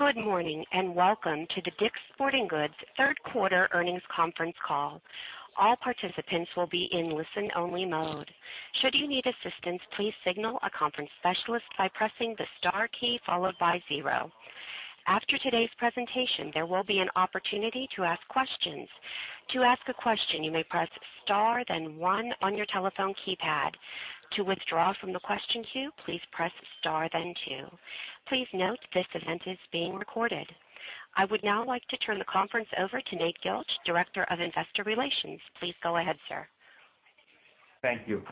Good morning, welcome to the DICK'S Sporting Goods third quarter earnings conference call. All participants will be in listen-only mode. Should you need assistance, please signal a conference specialist by pressing the star key followed by zero. After today's presentation, there will be an opportunity to ask questions. To ask a question, you may press star then one on your telephone keypad. To withdraw from the question queue, please press star then two. Please note this event is being recorded. I would now like to turn the conference over to Nate Gilch, Director of Investor Relations. Please go ahead, sir. Thank you.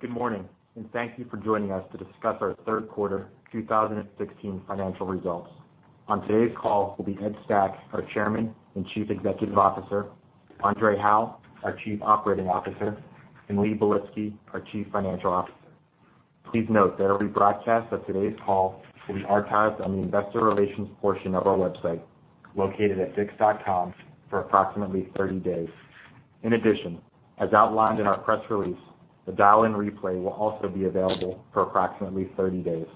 Good morning, thank you for joining us to discuss our third quarter 2016 financial results. On today's call will be Ed Stack, our Chairman and Chief Executive Officer, André Hawaux, our Chief Operating Officer, and Lee Belitsky, our Chief Financial Officer. Please note that every broadcast of today's call will be archived on the investor relations portion of our website, located at dicks.com, for approximately 30 days. In addition, as outlined in our press release, the dial-in replay will also be available for approximately 30 days.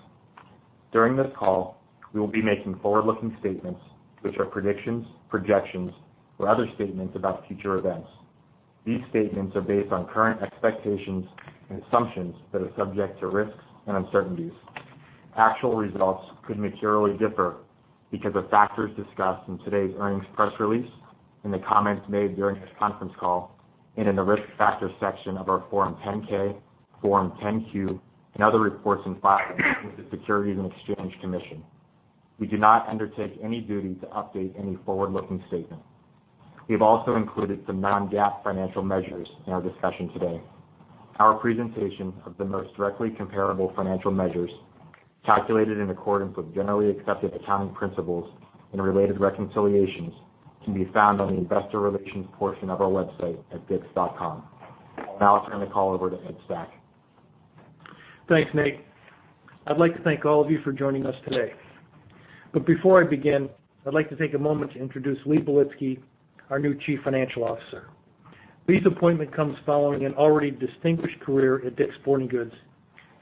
During this call, we will be making forward-looking statements, which are predictions, projections, or other statements about future events. These statements are based on current expectations and assumptions that are subject to risks and uncertainties. Actual results could materially differ because of factors discussed in today's earnings press release, in the comments made during this conference call, and in the Risk Factors section of our Form 10-K, Form 10-Q, and other reports and filings with the Securities and Exchange Commission. We do not undertake any duty to update any forward-looking statement. We have also included some non-GAAP financial measures in our discussion today. Our presentation of the most directly comparable financial measures calculated in accordance with generally accepted accounting principles and related reconciliations can be found on the investor relations portion of our website at dicks.com. I'll now turn the call over to Ed Stack. Thanks, Nate. I'd like to thank all of you for joining us today. Before I begin, I'd like to take a moment to introduce Lee Belitsky, our new Chief Financial Officer. Lee's appointment comes following an already distinguished career at DICK'S Sporting Goods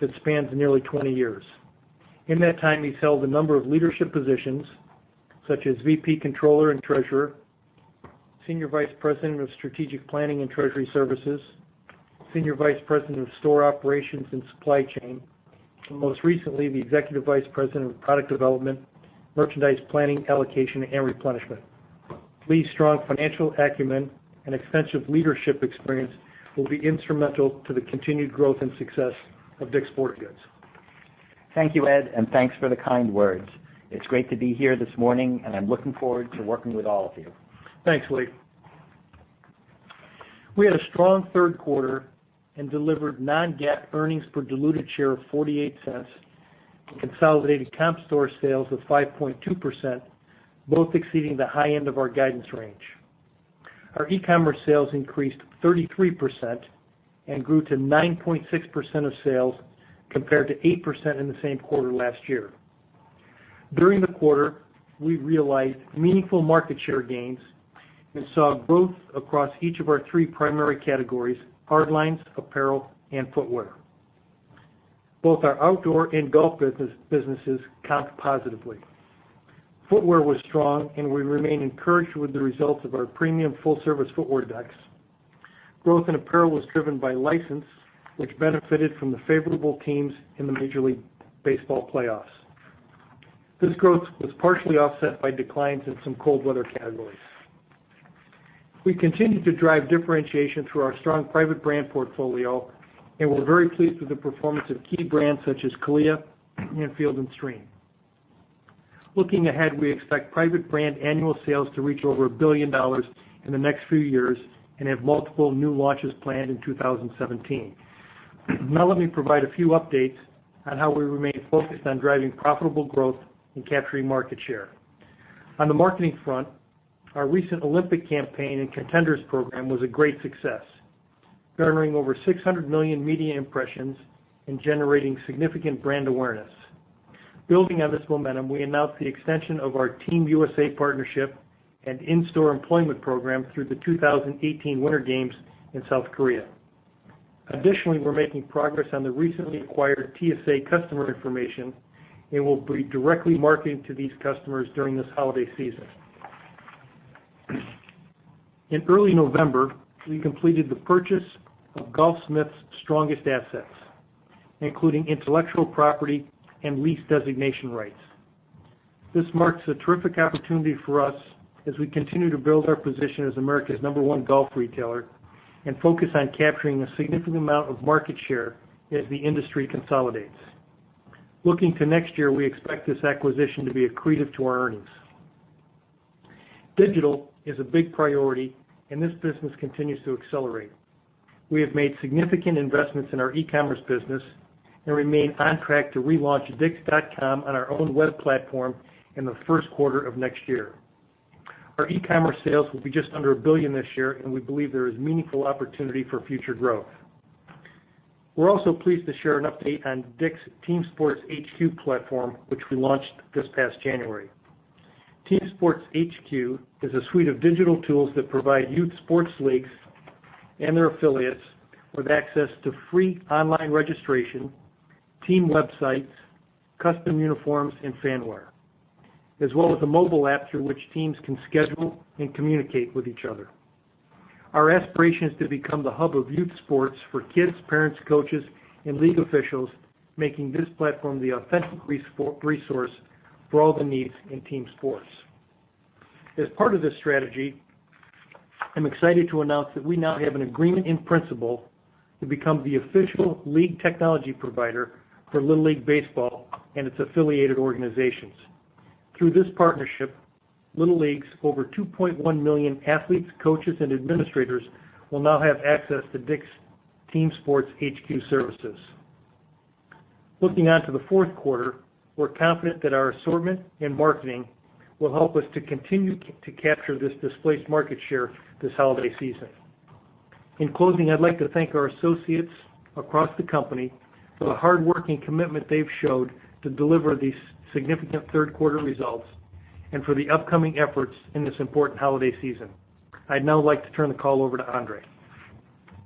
that spans nearly 20 years. In that time, he's held a number of leadership positions, such as VP Controller and Treasurer, Senior Vice President of Strategic Planning and Treasury Services, Senior Vice President of Store Operations and Supply Chain, and most recently, the Executive Vice President of Product Development, Merchandise Planning, Allocation, and Replenishment. Lee's strong financial acumen and extensive leadership experience will be instrumental to the continued growth and success of DICK'S Sporting Goods. Thank you, Ed, and thanks for the kind words. It's great to be here this morning, I'm looking forward to working with all of you. Thanks, Lee. We had a strong third quarter and delivered non-GAAP earnings per diluted share of $0.48 and consolidated comp store sales of 5.2%, both exceeding the high end of our guidance range. Our e-commerce sales increased 33% and grew to 9.6% of sales compared to 8% in the same quarter last year. During the quarter, we realized meaningful market share gains and saw growth across each of our three primary categories, hard lines, apparel, and footwear. Both our outdoor and golf businesses comped positively. Footwear was strong, and we remain encouraged with the results of our premium full-service footwear decks. Growth in apparel was driven by license, which benefited from the favorable teams in the Major League Baseball playoffs. This growth was partially offset by declines in some cold weather categories. We continue to drive differentiation through our strong private brand portfolio, and we're very pleased with the performance of key brands such as CALIA and Field & Stream. Looking ahead, we expect private brand annual sales to reach over $1 billion in the next few years and have multiple new launches planned in 2017. Let me provide a few updates on how we remain focused on driving profitable growth and capturing market share. On the marketing front, our recent Olympic campaign and Contenders program was a great success, garnering over 600 million media impressions and generating significant brand awareness. Building on this momentum, we announced the extension of our Team USA partnership and in-store employment program through the 2018 Winter Games in South Korea. Additionally, we're making progress on the recently acquired TSA customer information and will be directly marketing to these customers during this holiday season. In early November, we completed the purchase of Golfsmith's strongest assets, including intellectual property and lease designation rights. This marks a terrific opportunity for us as we continue to build our position as America's number one golf retailer and focus on capturing a significant amount of market share as the industry consolidates. Looking to next year, we expect this acquisition to be accretive to our earnings. Digital is a big priority, this business continues to accelerate. We have made significant investments in our e-commerce business and remain on track to relaunch dicks.com on our own web platform in the first quarter of next year. Our e-commerce sales will be just under $1 billion this year, and we believe there is meaningful opportunity for future growth. We're also pleased to share an update on DICK’S Team Sports HQ platform, which we launched this past January. Team Sports HQ is a suite of digital tools that provide youth sports leagues and their affiliates with access to free online registration, team websites, custom uniforms, and fan wear, as well as a mobile app through which teams can schedule and communicate with each other. Our aspiration is to become the hub of youth sports for kids, parents, coaches, and league officials, making this platform the authentic resource for all the needs in team sports. As part of this strategy, I'm excited to announce that we now have an agreement in principle to become the official league technology provider for Little League Baseball and its affiliated organizations. Through this partnership, Little League's over 2.1 million athletes, coaches, and administrators will now have access to DICK'S Team Sports HQ services. Looking onto the fourth quarter, we're confident that our assortment and marketing will help us to continue to capture this displaced market share this holiday season. In closing, I'd like to thank our associates across the company for the hard work and commitment they've showed to deliver these significant third quarter results and for the upcoming efforts in this important holiday season. I'd now like to turn the call over to André.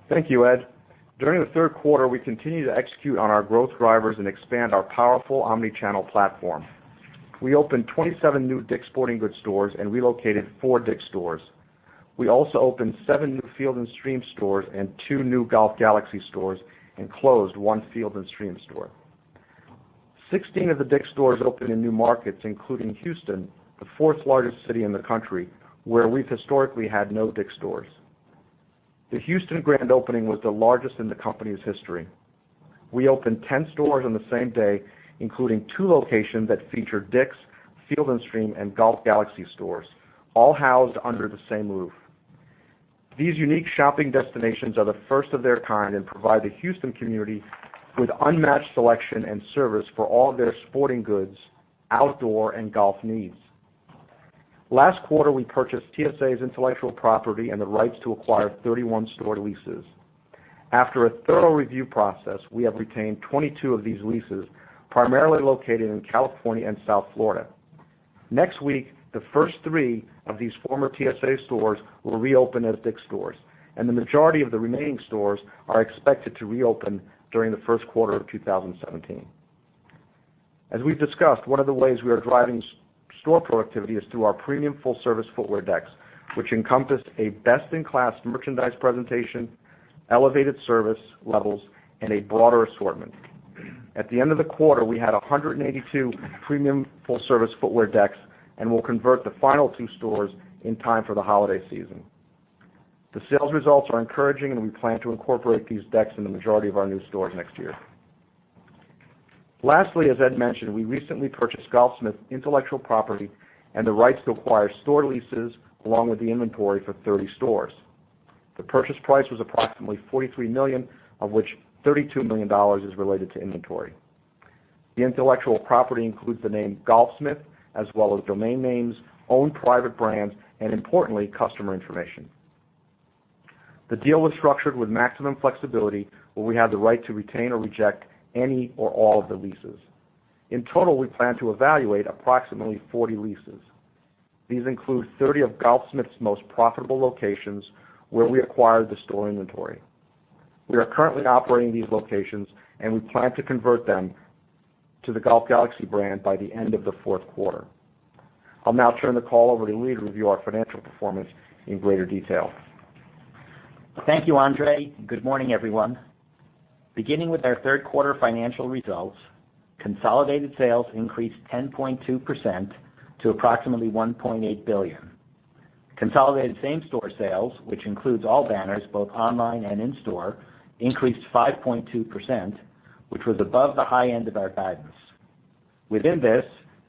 Thank you, Ed. During the third quarter, we continued to execute on our growth drivers and expand our powerful omni-channel platform. We opened 27 new DICK'S Sporting Goods stores and relocated four DICK'S stores. We also opened seven new Field & Stream stores and two new Golf Galaxy stores and closed one Field & Stream store. Sixteen of the DICK'S stores opened in new markets, including Houston, the fourth largest city in the country, where we've historically had no DICK'S stores. The Houston grand opening was the largest in the company's history. We opened 10 stores on the same day, including two locations that featured DICK'S, Field & Stream, and Golf Galaxy stores, all housed under the same roof. These unique shopping destinations are the first of their kind and provide the Houston community with unmatched selection and service for all their sporting goods, outdoor, and golf needs. Last quarter, we purchased TSA's intellectual property and the rights to acquire 31 store leases. After a thorough review process, we have retained 22 of these leases, primarily located in California and South Florida. Next week, the first three of these former TSA stores will reopen as DICK'S stores, and the majority of the remaining stores are expected to reopen during the first quarter of 2017. As we've discussed, one of the ways we are driving store productivity is through our premium full-service footwear decks, which encompass a best-in-class merchandise presentation, elevated service levels, and a broader assortment. At the end of the quarter, we had 182 premium full-service footwear decks and will convert the final two stores in time for the holiday season. As Ed mentioned, we recently purchased Golfsmith's intellectual property and the rights to acquire store leases along with the inventory for 30 stores. The purchase price was approximately $43 million, of which $32 million is related to inventory. The intellectual property includes the name Golfsmith, as well as domain names, own private brands, and importantly, customer information. The deal was structured with maximum flexibility, where we have the right to retain or reject any or all of the leases. In total, we plan to evaluate approximately 40 leases. These include 30 of Golfsmith's most profitable locations, where we acquired the store inventory. We are currently operating these locations, and we plan to convert them to the Golf Galaxy brand by the end of the fourth quarter. I'll now turn the call over to Lee to review our financial performance in greater detail. Thank you, André. Good morning, everyone. With our third quarter financial results, consolidated sales increased 10.2% to approximately $1.8 billion. Consolidated same-store sales, which includes all banners, both online and in-store, increased 5.2%, which was above the high end of our guidance. Within this,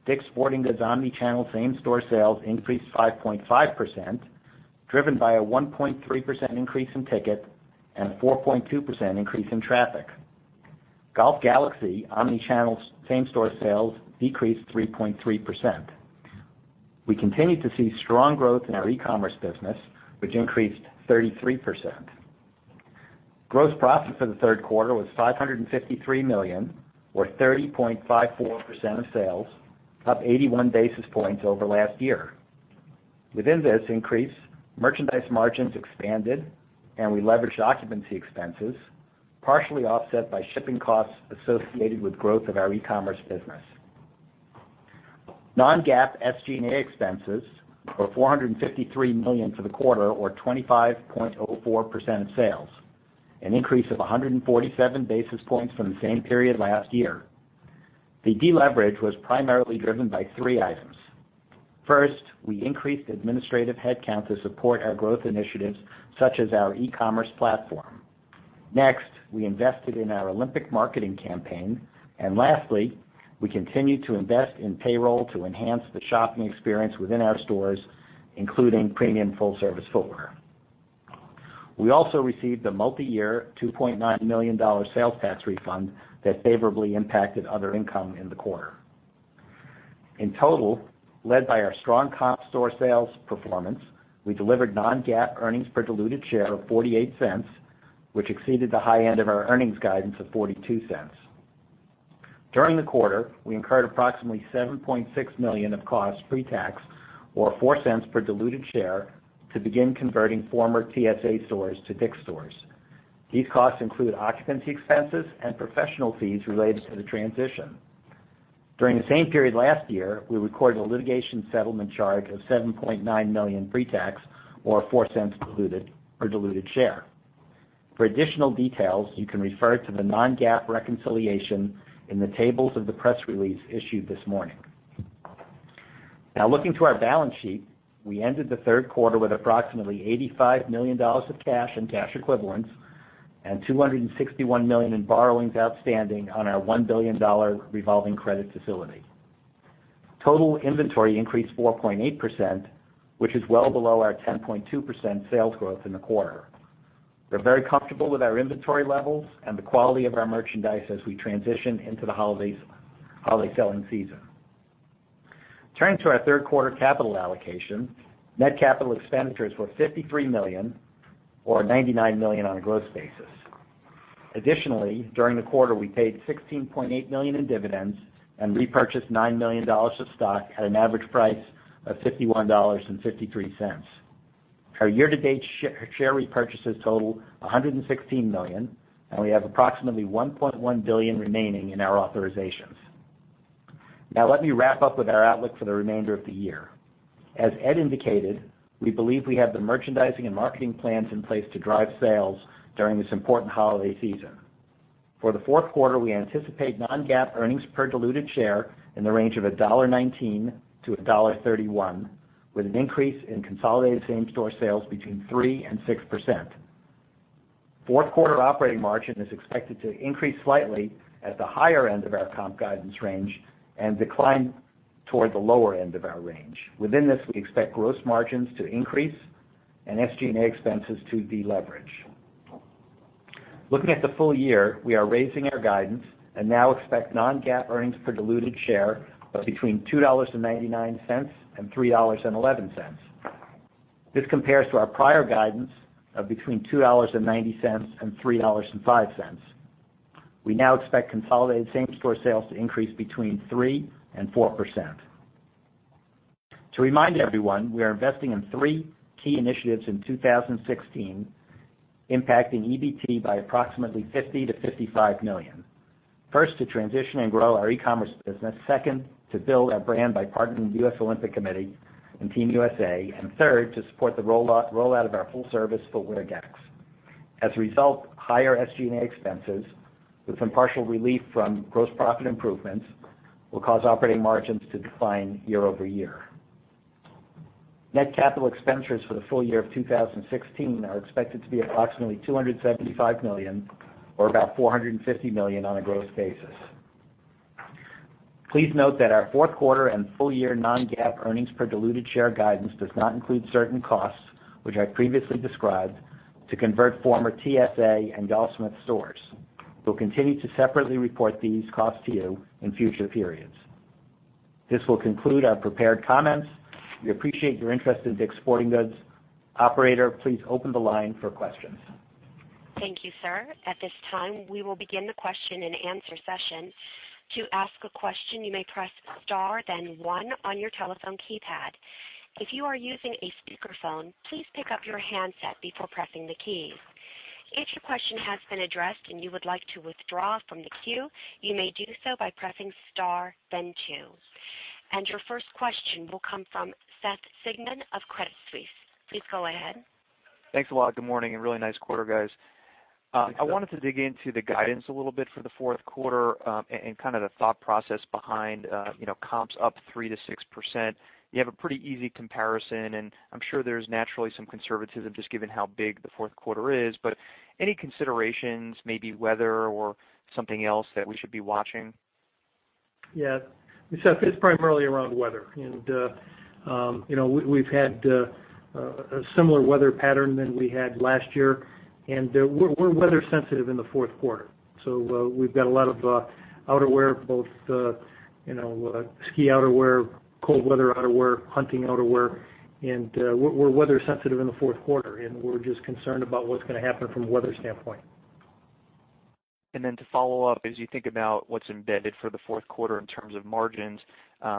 DICK'S Sporting Goods' omni-channel same-store sales increased 5.5%, driven by a 1.3% increase in ticket and a 4.2% increase in traffic. Golf Galaxy omni-channel same-store sales decreased 3.3%. We continue to see strong growth in our e-commerce business, which increased 33%. Gross profit for the third quarter was $553 million or 30.54% of sales, up 81 basis points over last year. Within this increase, merchandise margins expanded, and we leveraged occupancy expenses, partially offset by shipping costs associated with growth of our e-commerce business. Non-GAAP SG&A expenses were $453 million for the quarter or 25.04% of sales, an increase of 147 basis points from the same period last year. The deleverage was primarily driven by three items. We increased administrative headcount to support our growth initiatives, such as our e-commerce platform. We invested in our Olympic marketing campaign. We continued to invest in payroll to enhance the shopping experience within our stores, including premium full-service footwear. We also received a multi-year $2.9 million sales tax refund that favorably impacted other income in the quarter. In total, led by our strong comp store sales performance, we delivered non-GAAP earnings per diluted share of $0.48, which exceeded the high end of our earnings guidance of $0.42. During the quarter, we incurred approximately $7.6 million of cost pre-tax, or $0.04 per diluted share, to begin converting former TSA stores to DICK'S stores. These costs include occupancy expenses and professional fees related to the transition. During the same period last year, we recorded a litigation settlement charge of $7.9 million pre-tax, or $0.04 per diluted share. For additional details, you can refer to the non-GAAP reconciliation in the tables of the press release issued this morning. Looking to our balance sheet, we ended the third quarter with approximately $85 million of cash and cash equivalents and $261 million in borrowings outstanding on our $1 billion revolving credit facility. Total inventory increased 4.8%, which is well below our 10.2% sales growth in the quarter. We're very comfortable with our inventory levels and the quality of our merchandise as we transition into the holiday selling season. Turning to our third quarter capital allocation, net capital expenditures were $53 million, or $99 million on a gross basis. Additionally, during the quarter, we paid $16.8 million in dividends and repurchased $9 million of stock at an average price of $51.53. Our year-to-date share repurchases total $116 million, and we have approximately $1.1 billion remaining in our authorizations. Let me wrap up with our outlook for the remainder of the year. As Ed indicated, we believe we have the merchandising and marketing plans in place to drive sales during this important holiday season. For the fourth quarter, we anticipate non-GAAP earnings per diluted share in the range of $1.19-$1.31, with an increase in consolidated same-store sales between 3%-6%. Fourth quarter operating margin is expected to increase slightly at the higher end of our comp guidance range and decline toward the lower end of our range. Within this, we expect gross margins to increase and SG&A expenses to deleverage. Looking at the full year, we are raising our guidance and now expect non-GAAP earnings per diluted share of between $2.99-$3.11. This compares to our prior guidance of between $2.90-$3.05. We now expect consolidated same-store sales to increase between 3%-4%. To remind everyone, we are investing in three key initiatives in 2016, impacting EBT by approximately $50 million-$55 million. First, to transition and grow our e-commerce business. Second, to build our brand by partnering with the U.S. Olympic Committee and Team USA. Third, to support the rollout of our full-service footwear decks. Higher SG&A expenses with some partial relief from gross profit improvements will cause operating margins to decline year-over-year. Net capital expenditures for the full year of 2016 are expected to be approximately $275 million, or about $450 million on a gross basis. Please note that our fourth quarter and full-year non-GAAP earnings per diluted share guidance does not include certain costs, which I previously described, to convert former TSA and Golfsmith stores. We'll continue to separately report these costs to you in future periods. This will conclude our prepared comments. We appreciate your interest in DICK'S Sporting Goods. Operator, please open the line for questions. Thank you, sir. At this time, we will begin the question and answer session. To ask a question, you may press star then one on your telephone keypad. If you are using a speakerphone, please pick up your handset before pressing the key. If your question has been addressed and you would like to withdraw from the queue, you may do so by pressing star then two. Your first question will come from Seth Sigman of Credit Suisse. Please go ahead. Thanks a lot. Good morning. Really nice quarter, guys. I wanted to dig into the guidance a little bit for the fourth quarter and the thought process behind comps up 3%-6%. You have a pretty easy comparison. I'm sure there's naturally some conservatism just given how big the fourth quarter is. Any considerations, maybe weather or something else that we should be watching? Yeah. Seth, it's primarily around weather. We've had a similar weather pattern than we had last year. We're weather sensitive in the fourth quarter. We've got a lot of outerwear, both ski outerwear, cold weather outerwear, hunting outerwear. We're weather sensitive in the fourth quarter. We're just concerned about what's going to happen from a weather standpoint. To follow up, as you think about what's embedded for the fourth quarter in terms of margins,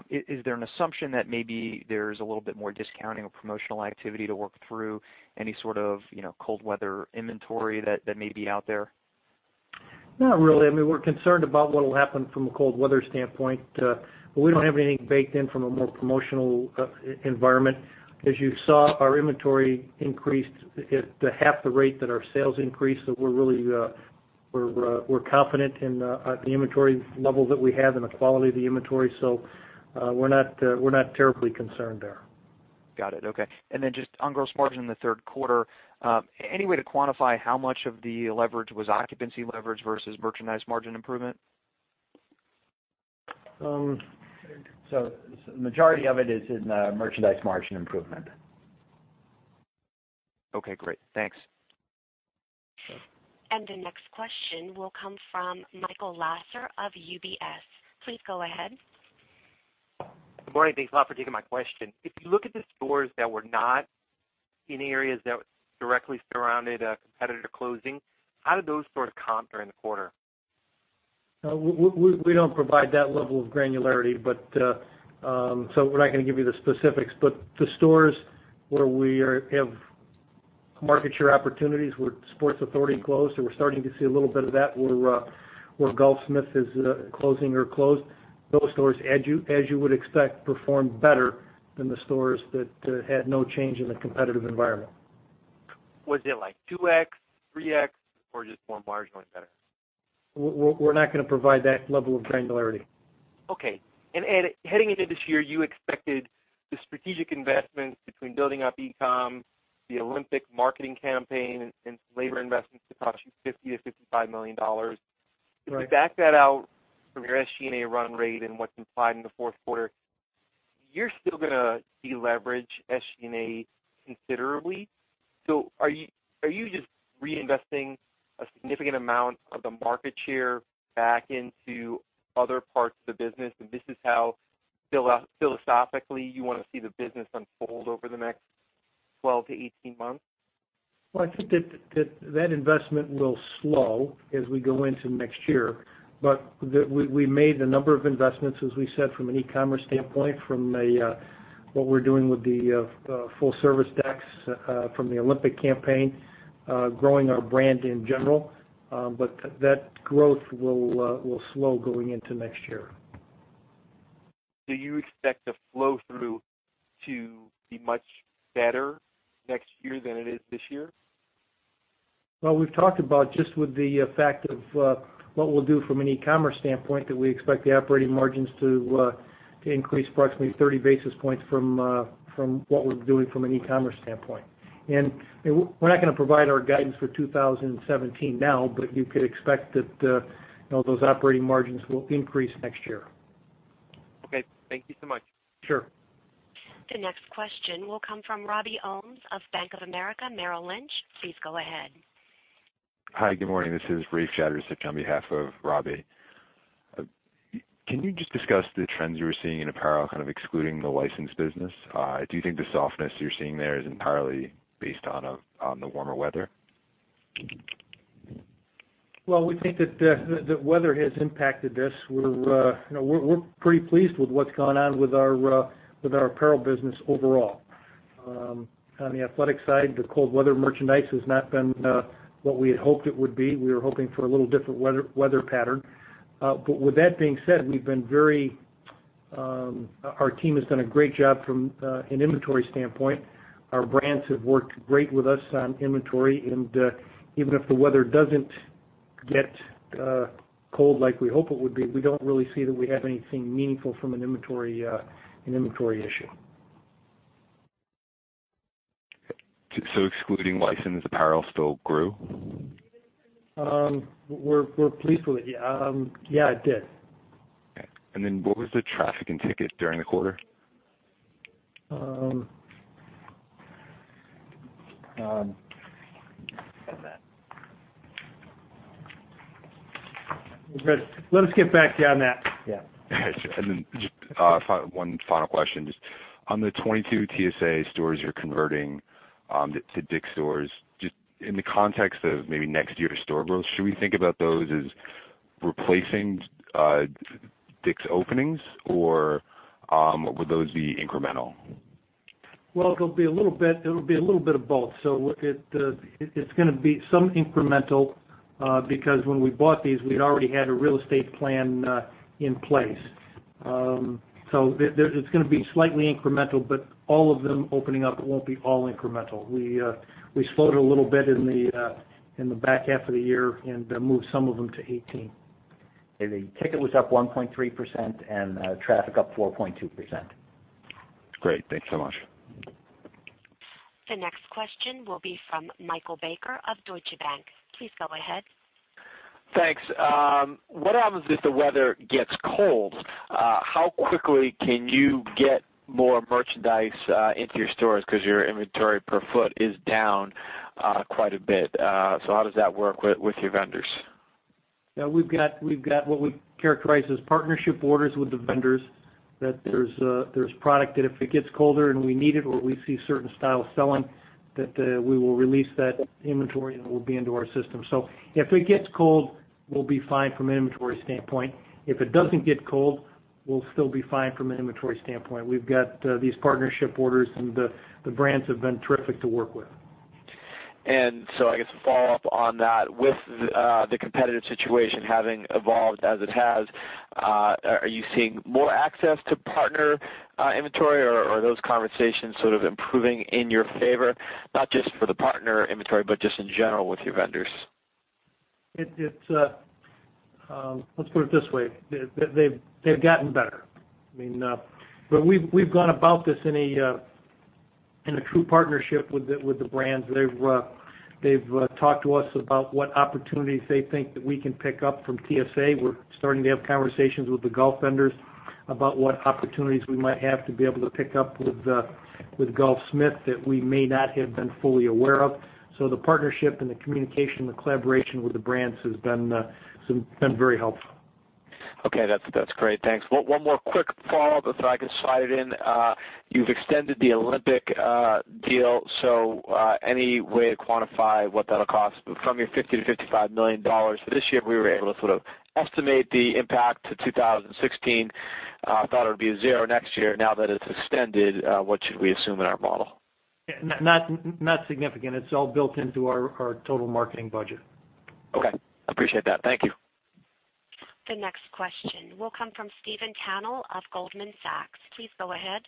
is there an assumption that maybe there's a little bit more discounting or promotional activity to work through any sort of cold weather inventory that may be out there? Not really. We're concerned about what will happen from a cold weather standpoint. We don't have anything baked in from a more promotional environment. As you saw, our inventory increased at half the rate that our sales increased. We're confident in the inventory level that we have and the quality of the inventory. We're not terribly concerned there. Got it. Okay. Just on gross margin in the third quarter, any way to quantify how much of the leverage was occupancy leverage versus merchandise margin improvement? The majority of it is in merchandise margin improvement. Okay, great. Thanks. The next question will come from Michael Lasser of UBS. Please go ahead. Good morning. Thanks a lot for taking my question. If you look at the stores that were not in areas that directly surrounded a competitor closing, how did those stores comp during the quarter? We don't provide that level of granularity, we're not going to give you the specifics. The stores where we have market share opportunities where Sports Authority closed, we're starting to see a little bit of that where Golfsmith is closing or closed. Those stores, as you would expect, performed better than the stores that had no change in the competitive environment. Was it like 2x, 3x, or just 1x marginally better? We're not going to provide that level of granularity. Heading into this year, you expected the strategic investments between building up e-com, the Olympic marketing campaign, and some labor investments to cost you $50 million-$55 million. Right. If you back that out from your SG&A run rate and what's implied in the fourth quarter, you're still going to deleverage SG&A considerably. Are you just reinvesting a significant amount of the market share back into other parts of the business, and this is how, philosophically, you want to see the business unfold over the next 12 to 18 months? I think that that investment will slow as we go into next year. We made a number of investments, as we said, from an e-commerce standpoint, from what we're doing with the full service decks from the Olympic campaign, growing our brand in general. That growth will slow going into next year. Do you expect the flow through to be much better next year than it is this year? Well, we've talked about just with the fact of what we'll do from an e-commerce standpoint, that we expect the operating margins to increase approximately 30 basis points from what we're doing from an e-commerce standpoint. We're not going to provide our guidance for 2017 now, you could expect that those operating margins will increase next year. Okay. Thank you so much. Sure. The next question will come from Robbie Ohmes of Bank of America Merrill Lynch. Please go ahead. Hi. Good morning. This is Rafe Chatters speaking on behalf of Robbie. Can you just discuss the trends you were seeing in apparel, kind of excluding the licensed business? Do you think the softness you're seeing there is entirely based on the warmer weather? Well, we think that the weather has impacted this. We're pretty pleased with what's gone on with our apparel business overall. On the athletic side, the cold weather merchandise has not been what we had hoped it would be. We were hoping for a little different weather pattern. With that being said, our team has done a great job from an inventory standpoint. Our brands have worked great with us on inventory, and even if the weather doesn't get cold like we hope it would be, we don't really see that we have anything meaningful from an inventory issue. Excluding license, apparel still grew? We're pleased with it. Yeah, it did. Okay. What was the traffic and ticket during the quarter? Let us get back to you on that. Yeah. Then just one final question. Just on the 22 TSA stores you're converting to DICK'S stores, just in the context of maybe next year store growth, should we think about those as replacing DICK'S openings, or would those be incremental? Well, it'll be a little bit of both. It's going to be some incremental, because when we bought these, we already had a real estate plan in place. It's going to be slightly incremental, but all of them opening up won't be all incremental. We slowed a little bit in the back half of the year and moved some of them to 2018. The ticket was up 1.3% and traffic up 4.2%. Great. Thanks so much. The next question will be from Michael Baker of Deutsche Bank. Please go ahead. Thanks. What happens if the weather gets cold? How quickly can you get more merchandise into your stores because your inventory per foot is down quite a bit. How does that work with your vendors? We've got what we characterize as partnership orders with the vendors, that there's product that if it gets colder and we need it or we see certain styles selling, that we will release that inventory, and it will be into our system. If it gets cold, we'll be fine from an inventory standpoint. If it doesn't get cold, we'll still be fine from an inventory standpoint. We've got these partnership orders, and the brands have been terrific to work with. I guess a follow-up on that, with the competitive situation having evolved as it has, are you seeing more access to partner inventory, or are those conversations sort of improving in your favor? Not just for the partner inventory, but just in general with your vendors. Let's put it this way. They've gotten better. We've gone about this in a true partnership with the brands. They've talked to us about what opportunities they think that we can pick up from TSA. We're starting to have conversations with the golf vendors about what opportunities we might have to be able to pick up with Golfsmith that we may not have been fully aware of. The partnership and the communication, the collaboration with the brands has been very helpful. Okay. That's great. Thanks. One more quick follow-up if I can slide it in. You've extended the Olympic deal, so any way to quantify what that'll cost from your $50 million-$55 million for this year? We were able to sort of estimate the impact to 2016. Thought it would be zero next year. Now that it's extended, what should we assume in our model? Not significant. It's all built into our total marketing budget. Okay. Appreciate that. Thank you. The next question will come from Stephen Tanal of Goldman Sachs. Please go ahead.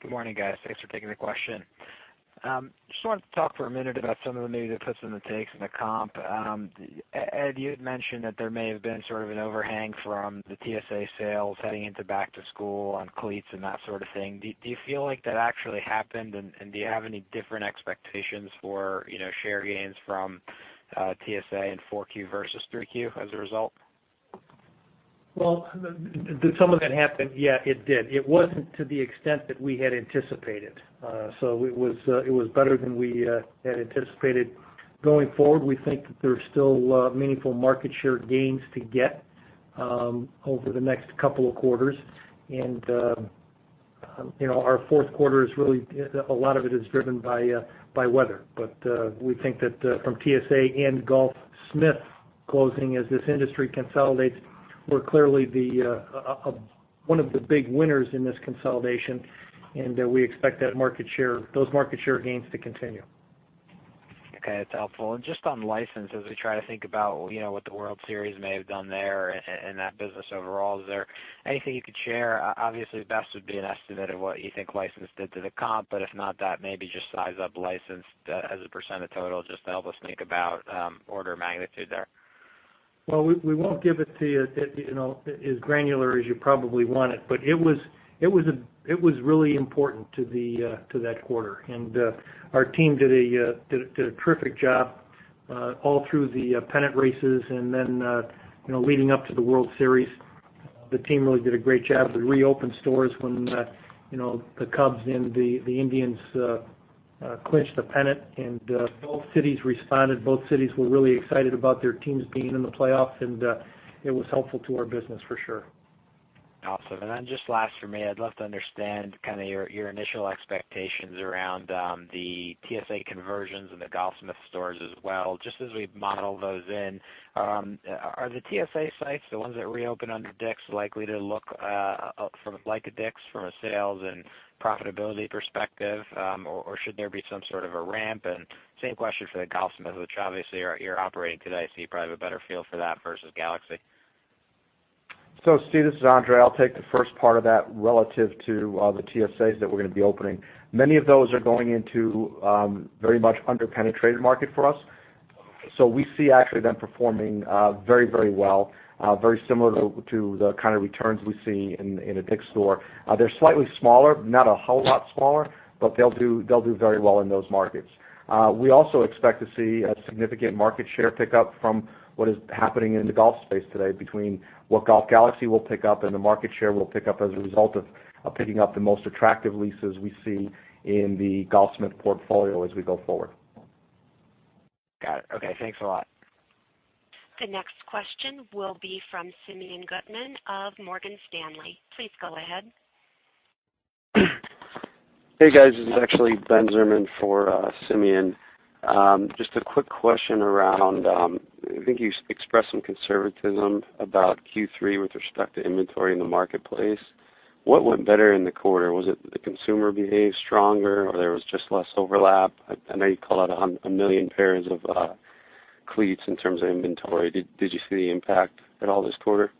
Good morning, guys. Thanks for taking the question. Wanted to talk for a minute about some of the maybe the puts and the takes in the comp. Ed, you had mentioned that there may have been sort of an overhang from the TSA sales heading into back to school on cleats and that sort of thing. Do you feel like that actually happened and do you have any different expectations for share gains from TSA in 4Q versus 3Q as a result? Well, did some of that happen? Yeah, it did. It wasn't to the extent that we had anticipated. It was better than we had anticipated. Going forward, we think that there's still meaningful market share gains to get over the next couple of quarters. Our fourth quarter, a lot of it is driven by weather. We think that from TSA and Golfsmith closing as this industry consolidates, we're clearly one of the big winners in this consolidation, and we expect those market share gains to continue. Okay. That's helpful. Just on license, as we try to think about what the World Series may have done there and that business overall, is there anything you could share? Obviously, best would be an estimate of what you think license did to the comp, but if not that, maybe just size up license as a % of total, just to help us think about order of magnitude there. Well, we won't give it to you as granular as you probably want it, but it was really important to that quarter. Our team did a terrific job all through the pennant races and then leading up to the World Series. The team really did a great job to reopen stores when the Cubs and the Indians clinched the pennant, both cities responded. Both cities were really excited about their teams being in the playoffs, it was helpful to our business for sure. Awesome. Just last for me, I'd love to understand your initial expectations around the TSA conversions and the Golfsmith stores as well, just as we model those in. Are the TSA sites, the ones that reopen under DICK'S, likely to look like a DICK'S from a sales and profitability perspective? Or should there be some sort of a ramp? Same question for the Golfsmith, which obviously you're operating today, so you probably have a better feel for that versus Galaxy. Steve, this is André. I'll take the first part of that relative to the TSAs that we're going to be opening. Many of those are going into very much under-penetrated market for us. We see actually them performing very well. Very similar to the kind of returns we see in a DICK'S store. They're slightly smaller, not a whole lot smaller, but they'll do very well in those markets. We also expect to see a significant market share pickup from what is happening in the golf space today, between what Golf Galaxy will pick up and the market share will pick up as a result of picking up the most attractive leases we see in the Golfsmith portfolio as we go forward. Got it. Okay. Thanks a lot. The next question will be from Simeon Gutman of Morgan Stanley. Please go ahead. Hey, guys. This is actually Ben Zimmerman for Simeon. Just a quick question around, I think you expressed some conservatism about Q3 with respect to inventory in the marketplace. What went better in the quarter? Was it the consumer behaved stronger or there was just less overlap? I know you called out on 1 million pairs of cleats in terms of inventory. Did you see the impact at all this quarter?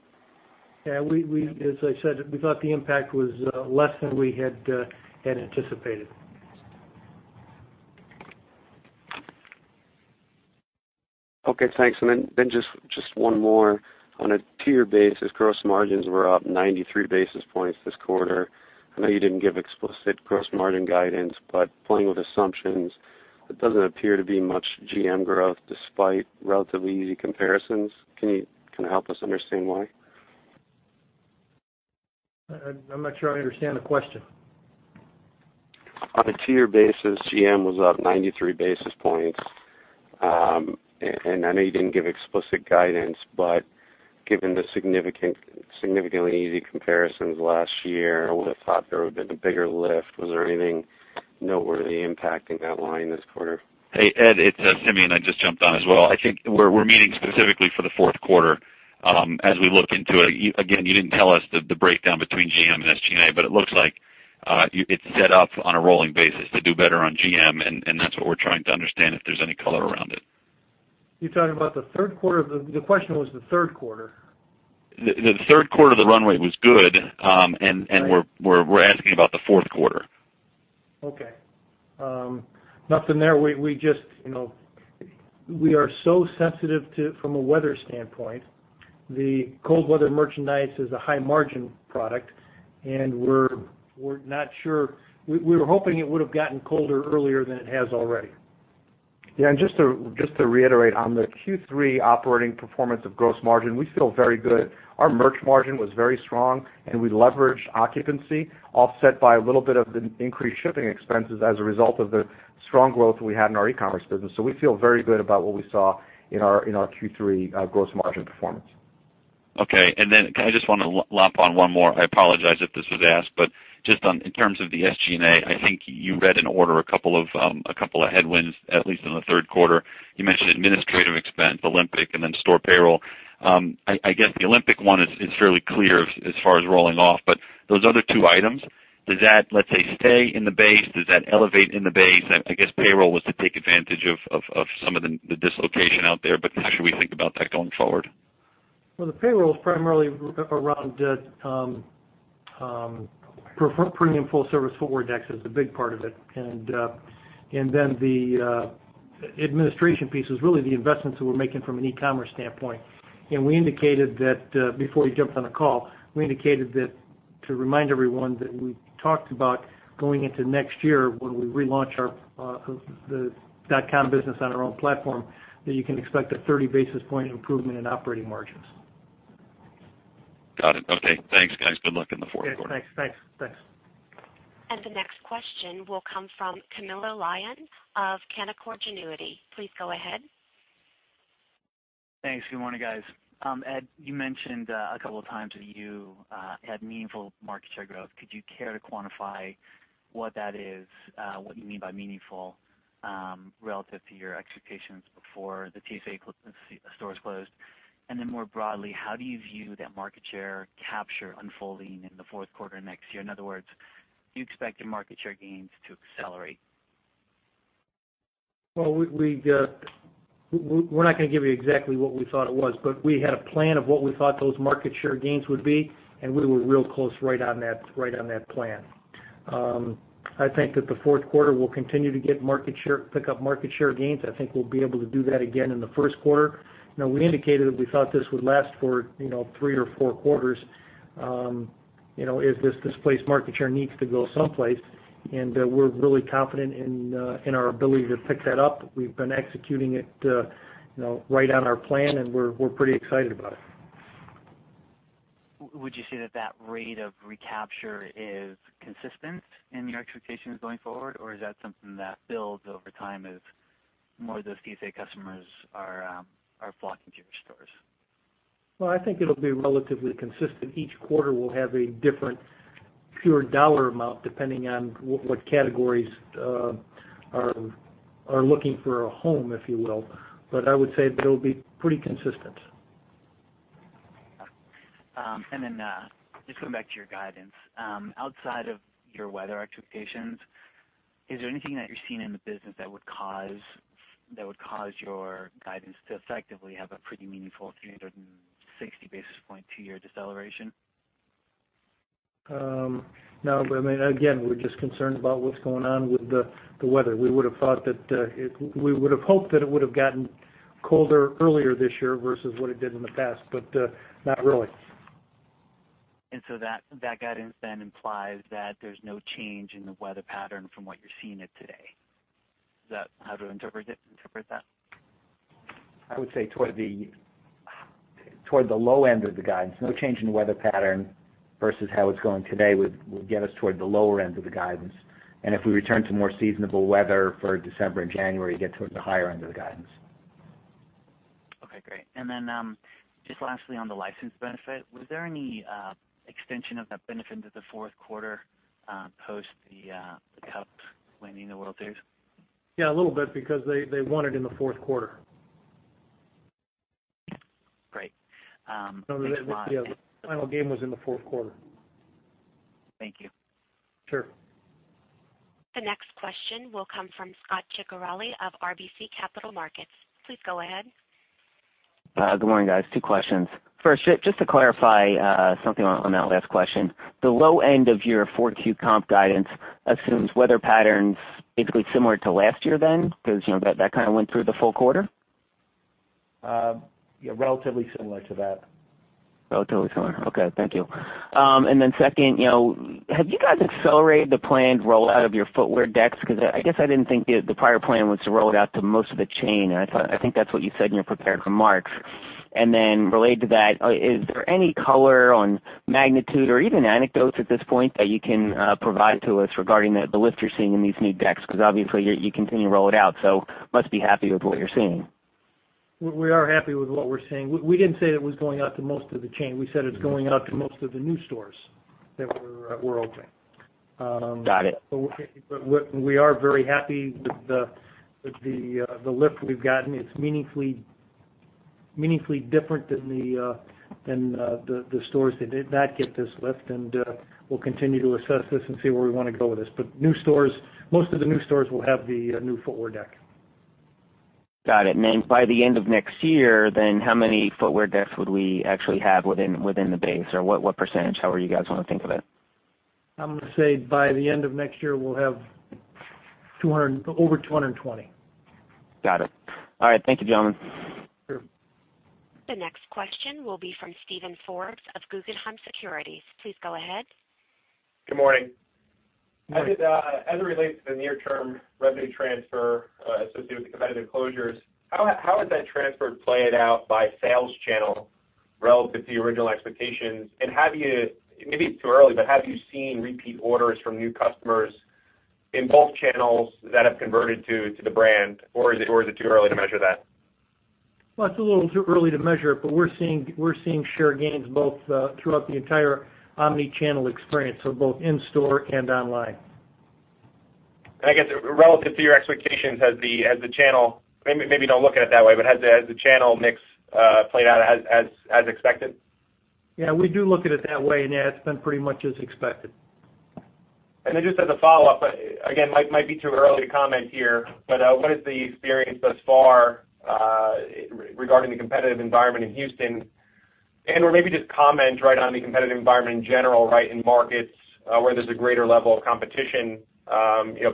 Yeah. As I said, we thought the impact was less than we had anticipated. Okay. Thanks. Then just one more. On a tier basis, gross margins were up 93 basis points this quarter. I know you didn't give explicit gross margin guidance, but playing with assumptions, it doesn't appear to be much GM growth despite relatively easy comparisons. Can you help us understand why? I'm not sure I understand the question. On a tier basis, GM was up 93 basis points. I know you didn't give explicit guidance, but given the significantly easy comparisons last year, I would've thought there would've been a bigger lift. Was there anything noteworthy impacting that line this quarter? Hey, Ed, it's Simeon. I just jumped on as well. I think we're meeting specifically for the fourth quarter. As we look into it, again, you didn't tell us the breakdown between GM and SG&A, but it looks like it's set up on a rolling basis to do better on GM, and that's what we're trying to understand, if there's any color around it. You're talking about the third quarter. The question was the third quarter. The third quarter of the runway was good. Right. We're asking about the fourth quarter. Okay. Nothing there. We are so sensitive from a weather standpoint. The cold weather merchandise is a high margin product, and we're not sure. We were hoping it would've gotten colder earlier than it has already. Yeah, just to reiterate on the Q3 operating performance of gross margin, we feel very good. Our merch margin was very strong, and we leveraged occupancy offset by a little bit of the increased shipping expenses as a result of the strong growth we had in our e-commerce business. We feel very good about what we saw in our Q3 gross margin performance. Okay. I just want to lop on one more. I apologize if this was asked, just in terms of the SG&A, I think you read in order a couple of headwinds, at least in the third quarter. You mentioned administrative expense, Olympic, then store payroll. I guess the Olympic one is fairly clear as far as rolling off, those other two items, does that, let's say, stay in the base? Does that elevate in the base? I guess payroll was to take advantage of some of the dislocation out there, how should we think about that going forward? Well, the payroll is primarily around premium full service footwear decks is a big part of it. The administration piece was really the investments that we're making from an e-commerce standpoint. Before you jumped on the call, we indicated that to remind everyone that we talked about going into next year when we relaunch our dicks.com business on our own platform, that you can expect a 30 basis point improvement in operating margins. Got it. Okay. Thanks, guys. Good luck in the fourth quarter. Yes. Thanks. The next question will come from Camilo Lyon of Canaccord Genuity. Please go ahead. Thanks. Good morning, guys. Ed, you mentioned a couple of times that you had meaningful market share growth. Could you care to quantify what that is, what you mean by meaningful, relative to your expectations before the TSA stores closed? Then more broadly, how do you view that market share capture unfolding in the fourth quarter next year? In other words, do you expect your market share gains to accelerate? Well, we're not going to give you exactly what we thought it was, but we had a plan of what we thought those market share gains would be, and we were real close right on that plan. I think that the fourth quarter will continue to pick up market share gains. I think we'll be able to do that again in the first quarter. We indicated that we thought this would last for three or four quarters. If this displaced market share needs to go someplace, and we're really confident in our ability to pick that up. We've been executing it right on our plan, and we're pretty excited about it. Would you say that rate of recapture is consistent in your expectations going forward, or is that something that builds over time as more of those TSA customers are flocking to your stores? Well, I think it'll be relatively consistent. Each quarter will have a different pure dollar amount depending on what categories are looking for a home, if you will. I would say they'll be pretty consistent. Just going back to your guidance. Outside of your weather expectations, is there anything that you're seeing in the business that would cause your guidance to effectively have a pretty meaningful 360 basis point two-year deceleration? No. Again, we're just concerned about what's going on with the weather. We would've hoped that it would've gotten colder earlier this year versus what it did in the past, but not really. That guidance then implies that there is no change in the weather pattern from what you are seeing it today. Is that how to interpret that? I would say toward the low end of the guidance, no change in weather pattern versus how it is going today would get us toward the lower end of the guidance. If we return to more seasonable weather for December and January, get towards the higher end of the guidance. Okay, great. Just lastly on the license benefit, was there any extension of that benefit into the fourth quarter, post the Cubs winning the World Series? Yeah, a little bit because they won it in the fourth quarter. Great. Thanks a lot. The final game was in the fourth quarter. Thank you. Sure. The next question will come from Scot Ciccarelli of RBC Capital Markets. Please go ahead. Good morning, guys. Two questions. First, just to clarify something on that last question. The low end of your fourth Q comp guidance assumes weather patterns basically similar to last year then? That kind of went through the full quarter. Yeah, relatively similar to that. Relatively similar. Okay. Thank you. Second, have you guys accelerated the planned rollout of your footwear decks? I guess I didn't think the prior plan was to roll it out to most of the chain, I think that's what you said in your prepared remarks. Related to that, is there any color on magnitude or even anecdotes at this point that you can provide to us regarding the lift you're seeing in these new decks? Obviously, you continue to roll it out, must be happy with what you're seeing. We are happy with what we're seeing. We didn't say it was going out to most of the chain. We said it's going out to most of the new stores that we're opening. Got it. We are very happy with the lift we've gotten. It's meaningfully different than the stores that did not get this lift. We'll continue to assess this and see where we want to go with this. Most of the new stores will have the new footwear deck. Got it. By the end of next year, how many footwear decks would we actually have within the base, or what percentage? However you guys want to think of it. I'm going to say by the end of next year, we'll have over 220. Got it. All right. Thank you, gentlemen. Sure. The next question will be from Steven Forbes of Guggenheim Securities. Please go ahead. Good morning. Morning. As it relates to the near term revenue transfer associated with the competitive closures, how has that transfer played out by sales channel relative to your original expectations? Maybe it's too early, but have you seen repeat orders from new customers in both channels that have converted to the brand, or is it too early to measure that? It's a little too early to measure it, but we're seeing share gains both throughout the entire omni-channel experience. Both in-store and online. I guess relative to your expectations, maybe you don't look at it that way, but has the channel mix played out as expected? We do look at it that way, yeah, it's been pretty much as expected. Just as a follow-up, again, might be too early to comment here, but what is the experience thus far regarding the competitive environment in Houston? Or maybe just comment right on the competitive environment in general in markets where there's a greater level of competition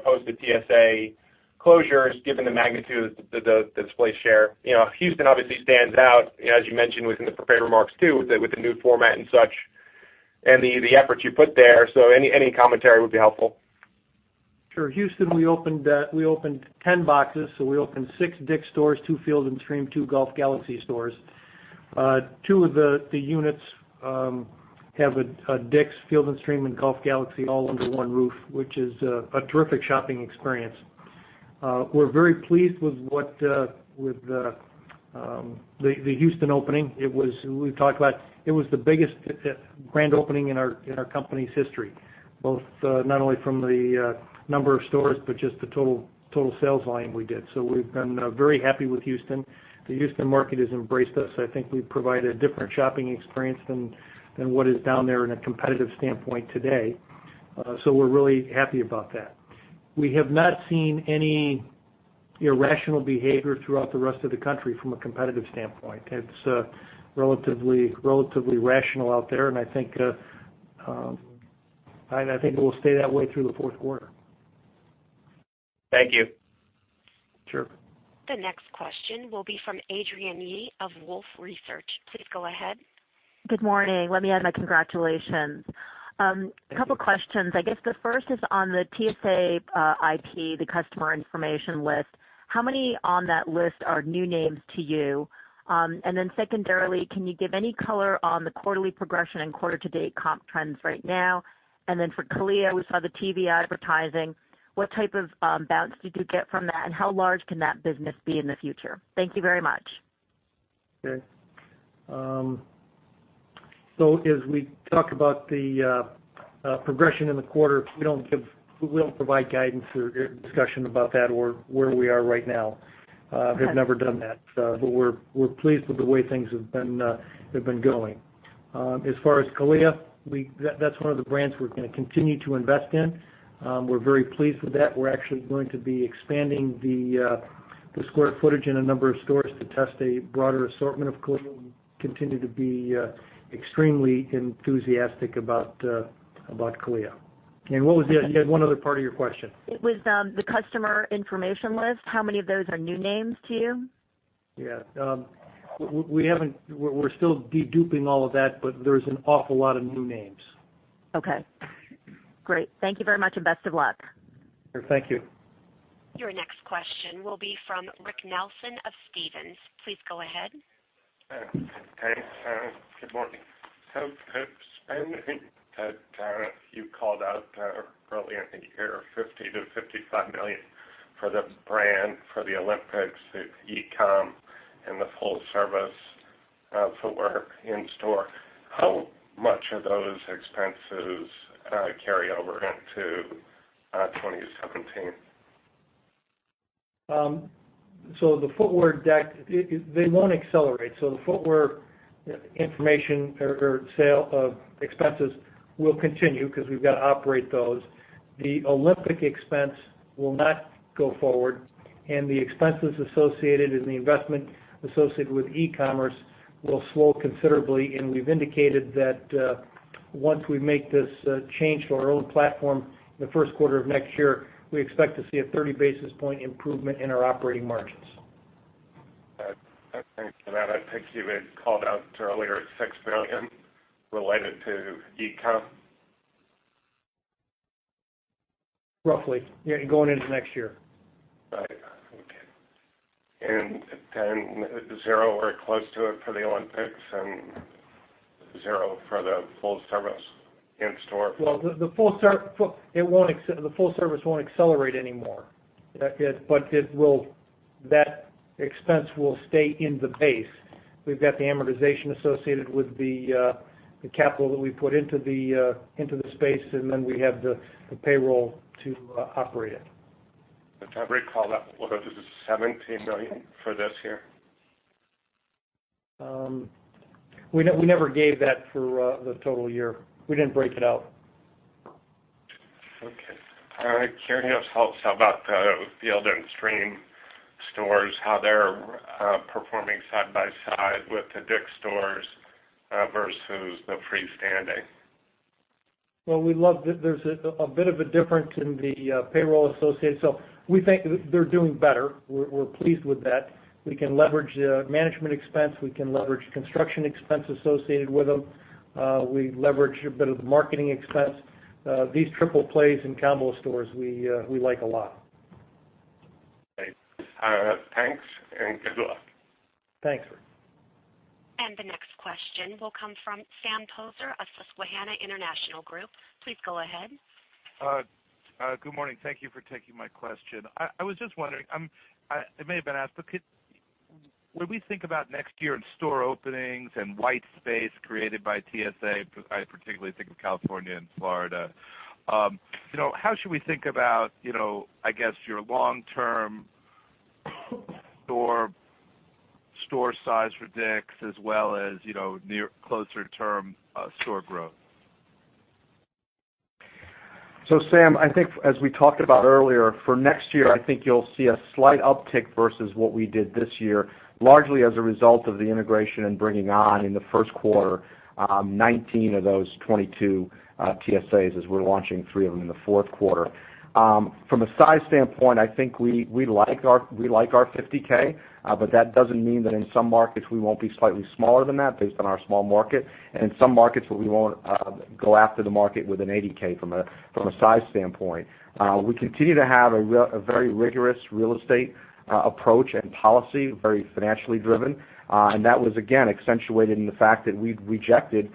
post the TSA closures, given the magnitude of the display share. Houston obviously stands out, as you mentioned within the prepared remarks, too, with the new format and such, and the efforts you put there. Any commentary would be helpful. Sure. Houston, we opened 10 boxes. We opened six DICK'S stores, two Field & Stream, two Golf Galaxy stores. Two of the units have a DICK'S, Field & Stream, and Golf Galaxy all under one roof, which is a terrific shopping experience. We're very pleased with the Houston opening. We've talked about it. It was the biggest grand opening in our company's history, both not only from the number of stores but just the total sales line we did. We've been very happy with Houston. The Houston market has embraced us. I think we provide a different shopping experience than what is down there in a competitive standpoint today. We're really happy about that. We have not seen any irrational behavior throughout the rest of the country from a competitive standpoint. It's relatively rational out there, and I think it will stay that way through the fourth quarter. Thank you. Sure. The next question will be from Adrienne Yih of Wolfe Research. Please go ahead. Good morning. Let me add my congratulations. Couple questions. I guess the first is on the TSA IP, the customer information list. How many on that list are new names to you? Then secondarily, can you give any color on the quarterly progression and quarter-to-date comp trends right now? Then for CALIA, we saw the TV advertising. What type of bounce did you get from that, and how large can that business be in the future? Thank you very much. As we talk about the progression in the quarter, we don't provide guidance or discussion about that or where we are right now. Okay. Have never done that. We're pleased with the way things have been going. As far as CALIA, that's one of the brands we're going to continue to invest in. We're very pleased with that. We're actually going to be expanding the square footage in a number of stores to test a broader assortment of CALIA. We continue to be extremely enthusiastic about CALIA. You had one other part of your question. It was the customer information list. How many of those are new names to you? Yeah. We're still deduping all of that, but there's an awful lot of new names. Okay. Great. Thank you very much, and best of luck. Sure. Thank you. Your next question will be from Rick Nelson of Stephens. Please go ahead. Hey. Good morning. The spending that you called out earlier in the year, $50 million-$55 million for the brand, for the Olympics, the e-com, and the full service footwear in store. How much of those expenses carry over into 2017? The footwear deck, they won't accelerate. The footwear information or sale of expenses will continue because we've got to operate those. The Olympic expense will not go forward, and the expenses associated and the investment associated with e-commerce will slow considerably. We've indicated that once we make this change to our own platform in the first quarter of next year, we expect to see a 30 basis point improvement in our operating margins. Thanks for that. I think you had called out earlier $6 million related to e-com. Roughly. Yeah, going into next year. Right. Okay. Then 0 or close to it for the Olympics and 0 for the full service in-store? Well, the full service won't accelerate anymore. That expense will stay in the base. We've got the amortization associated with the capital that we put into the space, and then we have the payroll to operate it. I recall that was $17 million for this year. We never gave that for the total year. We didn't break it out. Okay. Curious how about the Field & Stream stores, how they're performing side by side with the DICK'S stores versus the freestanding. Well, there's a bit of a difference in the payroll associated. We think they're doing better. We're pleased with that. We can leverage management expense. We can leverage construction expense associated with them. We leverage a bit of the marketing expense. These triple plays and combo stores, we like a lot. Thanks, good luck. Thanks. The next question will come from Sam Poser of Susquehanna International Group. Please go ahead. Good morning. Thank you for taking my question. I was just wondering, it may have been asked, but when we think about next year and store openings and white space created by TSA, I particularly think of California and Florida. How should we think about, I guess, your long-term store size for DICK'S as well as, closer term store growth? Sam, I think as we talked about earlier, for next year, I think you'll see a slight uptick versus what we did this year, largely as a result of the integration and bringing on, in the first quarter, 19 of those 22 TSAs as we're launching three of them in the fourth quarter. From a size standpoint, I think we like our 50K. That doesn't mean that in some markets we won't be slightly smaller than that based on our small market, and in some markets we won't go after the market with an 80K from a size standpoint. We continue to have a very rigorous real estate approach and policy, very financially driven. That was again accentuated in the fact that we've rejected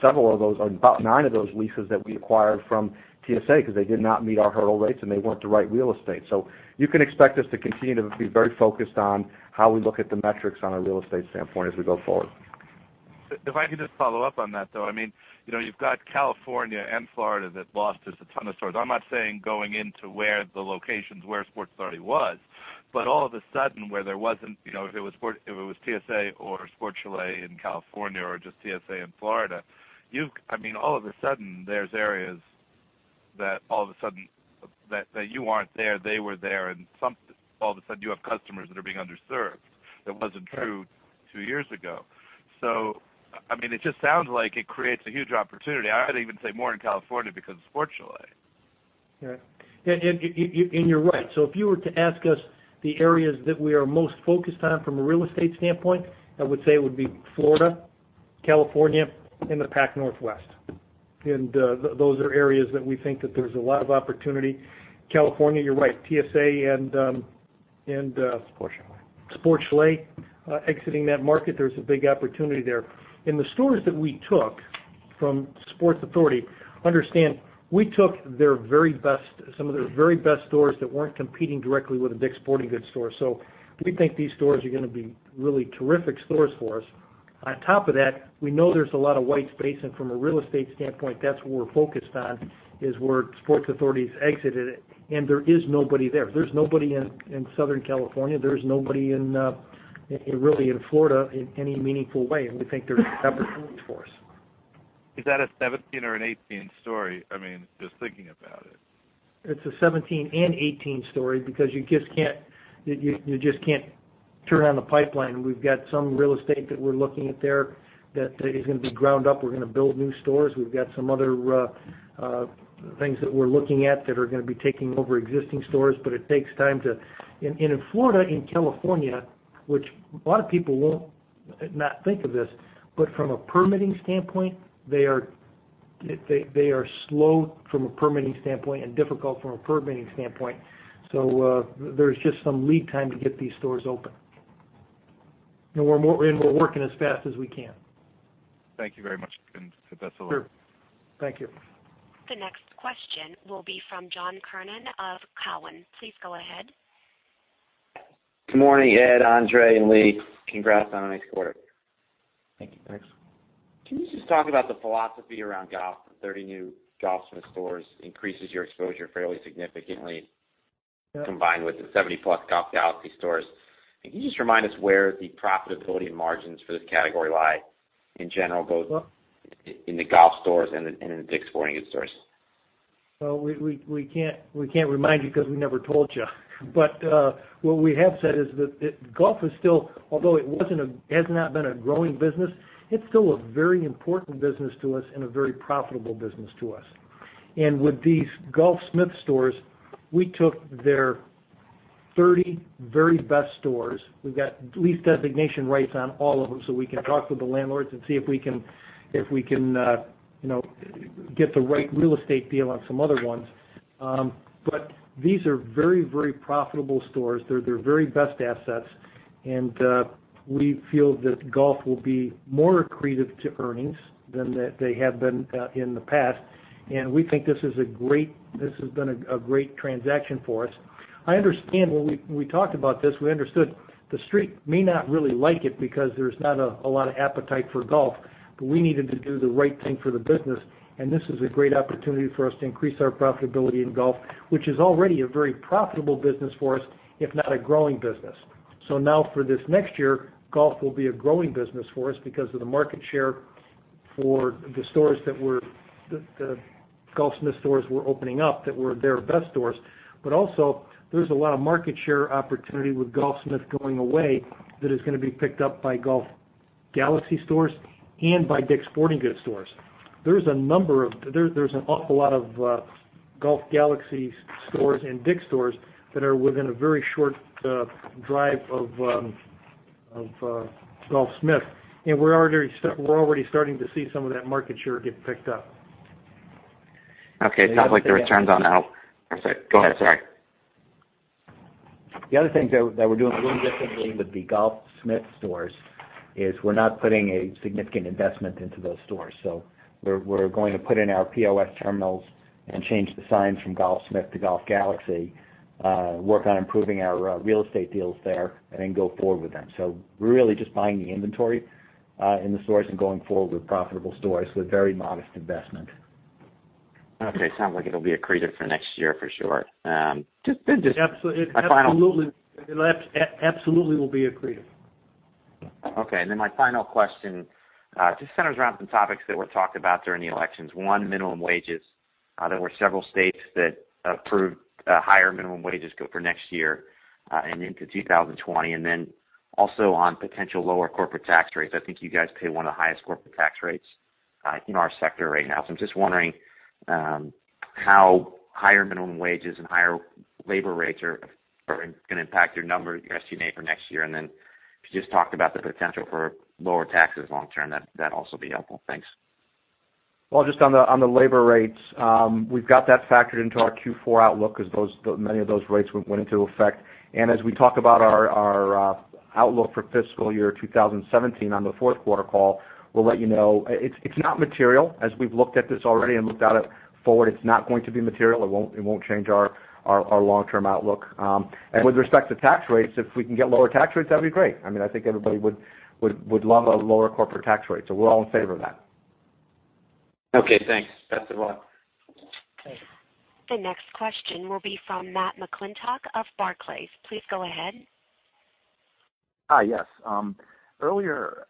several of those, or about nine of those leases that we acquired from TSA because they did not meet our hurdle rates and they weren't the right real estate. You can expect us to continue to be very focused on how we look at the metrics on a real estate standpoint as we go forward. If I could just follow up on that, though. You've got California and Florida that lost us a ton of stores. I'm not saying going into where the locations where Sports Authority was, but all of a sudden, where there wasn't, if it was TSA or Sport Chalet in California or just TSA in Florida. All of a sudden, there's areas that you aren't there, they were there, and all of a sudden you have customers that are being underserved. That wasn't true two years ago. It just sounds like it creates a huge opportunity. I'd even say more in California because of Sport Chalet. You're right. If you were to ask us the areas that we are most focused on from a real estate standpoint, I would say it would be Florida, California, and the Pacific Northwest. Those are areas that we think that there's a lot of opportunity. California, you're right, TSA and- Sport Chalet Sport Chalet exiting that market, there's a big opportunity there. The stores that we took from Sports Authority, understand, we took some of their very best stores that weren't competing directly with a DICK'S Sporting Goods store. We think these stores are going to be really terrific stores for us. On top of that, we know there's a lot of white space, and from a real estate standpoint, that's where we're focused on is where Sports Authority's exited, and there is nobody there. There's nobody in Southern California. There's nobody really in Florida in any meaningful way, and we think there's an opportunity for us. Is that a 2017 or an 2018 story? Just thinking about it. It's a 2017 and 2018 story because you just can't turn on the pipeline. We've got some real estate that we're looking at there that is going to be ground up. We're going to build new stores. We've got some other things that we're looking at that are going to be taking over existing stores, but it takes time. In Florida, in California, which a lot of people will not think of this, but from a permitting standpoint, they are slow from a permitting standpoint and difficult from a permitting standpoint. There's just some lead time to get these stores open. We're working as fast as we can. Thank you very much. That's all. Sure. Thank you. The next question will be from John Kernan of Cowen. Please go ahead. Good morning, Ed, André, and Lee. Congrats on a nice quarter. Thank you. Thanks. Can you just talk about the philosophy around Golf? The 30 new Golfsmith stores increases your exposure fairly significantly. Yeah Combined with the 70-plus Golf Galaxy stores. Can you just remind us where the profitability and margins for this category lie in general, both in the golf stores and in DICK'S Sporting Goods stores? We can't remind you because we never told you. What we have said is that golf is still, although it has not been a growing business, it's still a very important business to us and a very profitable business to us. With these Golfsmith stores, we took their 30 very best stores. We've got lease designation rights on all of them, so we can talk with the landlords and see if we can get the right real estate deal on some other ones. These are very profitable stores. They're their very best assets, and we feel that golf will be more accretive to earnings than they have been in the past. We think this has been a great transaction for us. I understand when we talked about this, we understood the Street may not really like it because there's not a lot of appetite for golf. We needed to do the right thing for the business, and this is a great opportunity for us to increase our profitability in golf, which is already a very profitable business for us, if not a growing business. Now for this next year, golf will be a growing business for us because of the market share for the Golfsmith stores we're opening up that were their best stores. Also, there's a lot of market share opportunity with Golfsmith going away that is going to be picked up by Golf Galaxy stores and by DICK'S Sporting Goods stores. There's an awful lot of Golf Galaxy stores and DICK'S stores that are within a very short drive of Golfsmith, and we're already starting to see some of that market share get picked up. Okay. It sounds like the returns on. I'm sorry. Go ahead. Sorry. The other things that we're doing a little differently with the Golfsmith stores is we're not putting a significant investment into those stores. We're going to put in our POS terminals and change the signs from Golfsmith to Golf Galaxy, work on improving our real estate deals there, and then go forward with them. We're really just buying the inventory in the stores and going forward with profitable stores with very modest investment. Okay. Sounds like it'll be accretive for next year for sure. It absolutely will be accretive. Okay, my final question just centers around some topics that were talked about during the elections. One, minimum wages. There were several states that approved higher minimum wages for next year and into 2020. Also on potential lower corporate tax rates. I think you guys pay one of the highest corporate tax rates in our sector right now. I'm just wondering how higher minimum wages and higher labor rates are going to impact your numbers, your estimate for next year. Then if you just talked about the potential for lower taxes long term, that'd also be helpful. Thanks. Just on the labor rates, we've got that factored into our Q4 outlook because many of those rates went into effect. As we talk about our outlook for fiscal year 2017 on the fourth quarter call, we'll let you know. It's not material, as we've looked at this already and looked at it forward. It's not going to be material. It won't change our long-term outlook. With respect to tax rates, if we can get lower tax rates, that'd be great. I think everybody would love a lower corporate tax rate. We're all in favor of that. Okay, thanks. Best of luck. Thanks. The next question will be from Matt McClintock of Barclays. Please go ahead. Hi. Yes. Earlier,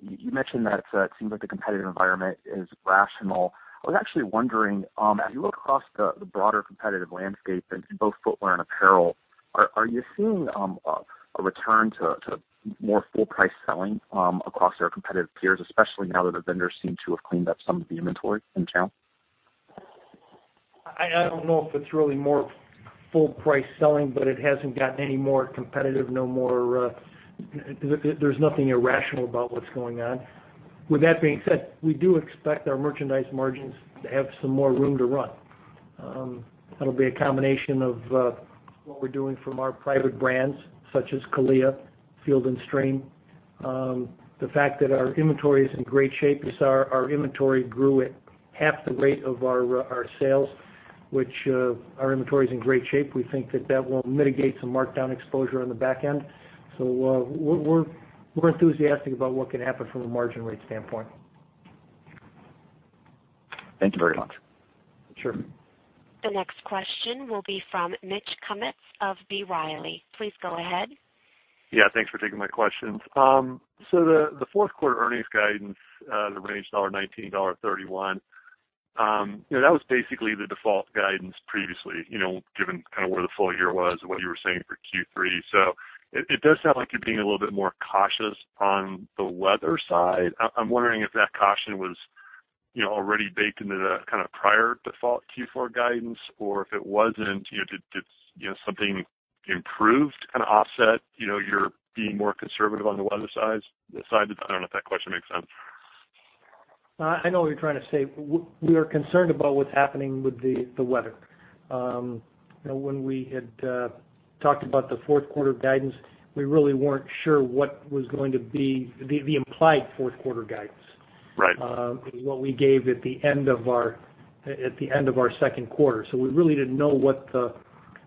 you mentioned that it seems like the competitive environment is rational. I was actually wondering, as you look across the broader competitive landscape in both footwear and apparel, are you seeing a return to more full-price selling across your competitive peers, especially now that the vendors seem to have cleaned up some of the inventory in town? I don't know if it's really more full-price selling, but it hasn't gotten any more competitive. There's nothing irrational about what's going on. With that being said, we do expect our merchandise margins to have some more room to run. That'll be a combination of what we're doing from our private brands, such as CALIA, Field & Stream. The fact that our inventory is in great shape is our inventory grew at half the rate of our sales, which our inventory is in great shape. We think that that will mitigate some markdown exposure on the back end. We're enthusiastic about what can happen from a margin rate standpoint. Thank you very much. Sure. The next question will be from Mitch Kummetz of B. Riley. Please go ahead. Yeah. Thanks for taking my questions. The fourth quarter earnings guidance, the range $1.19-$1.31, that was basically the default guidance previously, given where the full year was and what you were saying for Q3. It does sound like you're being a little bit more cautious on the weather side. I'm wondering if that caution was already baked into the prior default Q4 guidance, or if it wasn't, did something improve to offset your being more conservative on the weather side? I don't know if that question makes sense. I know what you're trying to say. We are concerned about what's happening with the weather. When we had talked about the fourth quarter guidance, we really weren't sure what was going to be the implied fourth quarter guidance. Right. What we gave at the end of our second quarter. We really didn't know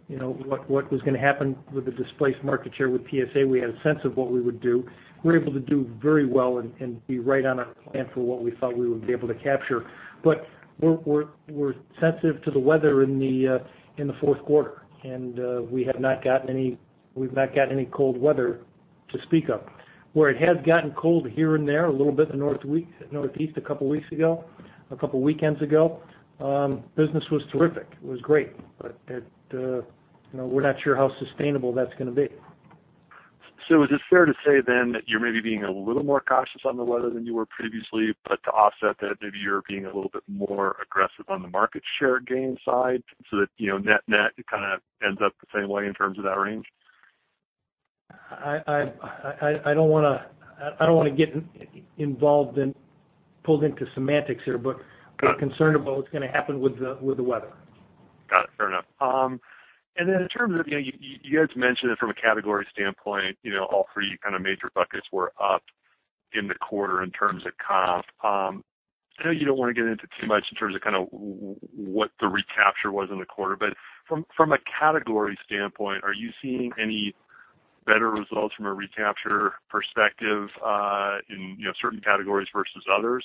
what was going to happen with the displaced market share with TSA. We had a sense of what we would do. We were able to do very well and be right on our plan for what we thought we would be able to capture. We're sensitive to the weather in the fourth quarter, and we have not gotten any cold weather to speak of. Where it has gotten cold here and there a little bit in the Northeast a couple of weekends ago, business was terrific. It was great. We're not sure how sustainable that's going to be. Is it fair to say that you're maybe being a little more cautious on the weather than you were previously, but to offset that, maybe you're being a little bit more aggressive on the market share gain side so that net net, it ends up the same way in terms of that range? I don't want to get involved and pulled into semantics here, we're concerned about what's going to happen with the weather. Got it. Fair enough. In terms of, you guys mentioned that from a category standpoint, all three major buckets were up in the quarter in terms of comp. I know you don't want to get into too much in terms of what the recapture was in the quarter, but from a category standpoint, are you seeing any better results from a recapture perspective in certain categories versus others?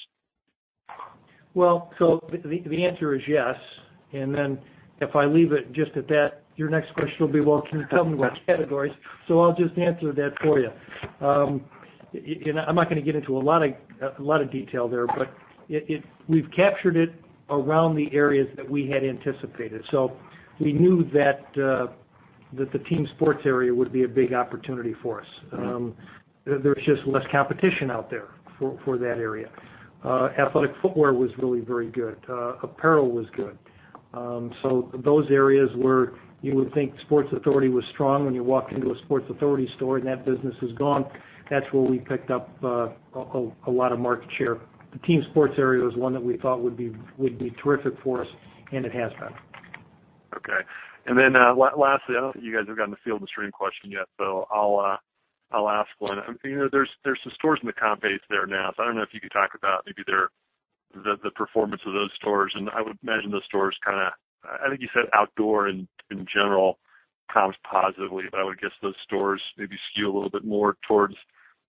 The answer is yes. If I leave it just at that, your next question will be, well, can you tell me what categories? I'll just answer that for you. I'm not going to get into a lot of detail there, but we've captured it around the areas that we had anticipated. We knew that the team sports area would be a big opportunity for us. There's just less competition out there for that area. Athletic footwear was really very good. Apparel was good. Those areas where you would think Sports Authority was strong when you walk into a Sports Authority store and that business is gone, that's where we picked up a lot of market share. The team sports area was one that we thought would be terrific for us, and it has been. Okay. Lastly, I don't think you guys have gotten the Field & Stream question yet, I'll ask one. There's some stores in the comp base there now, I don't know if you could talk about maybe the performance of those stores, and I would imagine those stores kind of I think you said outdoor in general comps positively, but I would guess those stores maybe skew a little bit more towards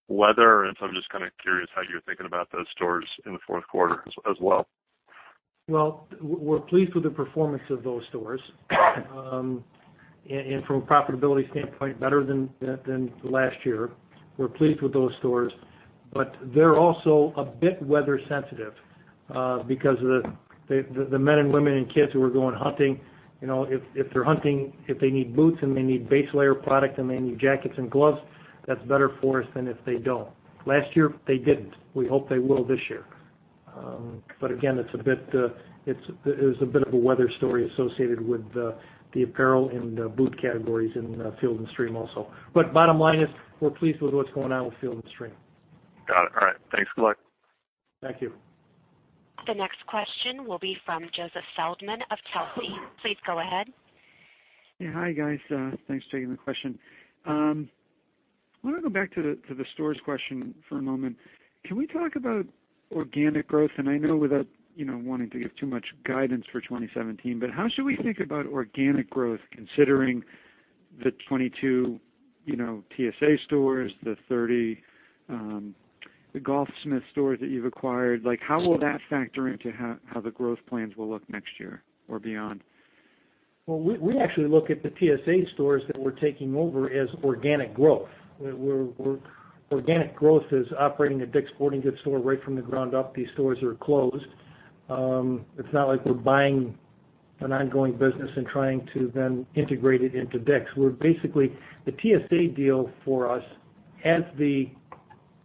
weather. I'm just kind of curious how you're thinking about those stores in the fourth quarter as well. We're pleased with the performance of those stores. From a profitability standpoint, better than last year. We're pleased with those stores, but they're also a bit weather sensitive because of the men and women and kids who are going hunting. If they're hunting, if they need boots and they need base layer product and they need jackets and gloves, that's better for us than if they don't. Last year, they didn't. We hope they will this year. Again, it's a bit of a weather story associated with the apparel and boot categories in Field & Stream also. Bottom line is, we're pleased with what's going on with Field & Stream. Got it. All right. Thanks a lot. Thank you. The next question will be from Joseph Feldman of Telsey. Please go ahead. Yeah. Hi, guys. Thanks for taking the question. I want to go back to the stores question for a moment. Can we talk about organic growth? I know without wanting to give too much guidance for 2017, but how should we think about organic growth considering the 22 TSA stores, the 30 Golfsmith stores that you've acquired, like how will that factor into how the growth plans will look next year or beyond? Well, we actually look at the TSA stores that we're taking over as organic growth. Organic growth is operating a DICK'S Sporting Goods store right from the ground up. These stores are closed. It's not like we're buying an ongoing business and trying to then integrate it into DICK'S. The TSA deal for us, as the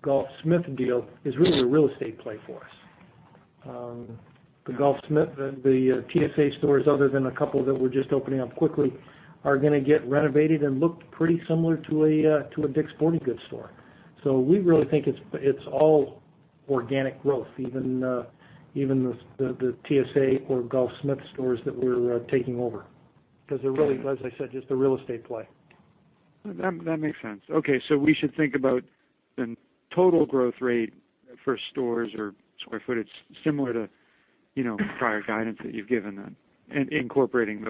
Golfsmith deal, is really a real estate play for us. The TSA stores, other than a couple that we're just opening up quickly, are going to get renovated and look pretty similar to a DICK'S Sporting Goods store. We really think it's all organic growth, even the TSA or Golfsmith stores that we're taking over, because they're really, as I said, just a real estate play. That makes sense. Okay. We should think about the total growth rate for stores or square footage similar to prior guidance that you've given then and incorporating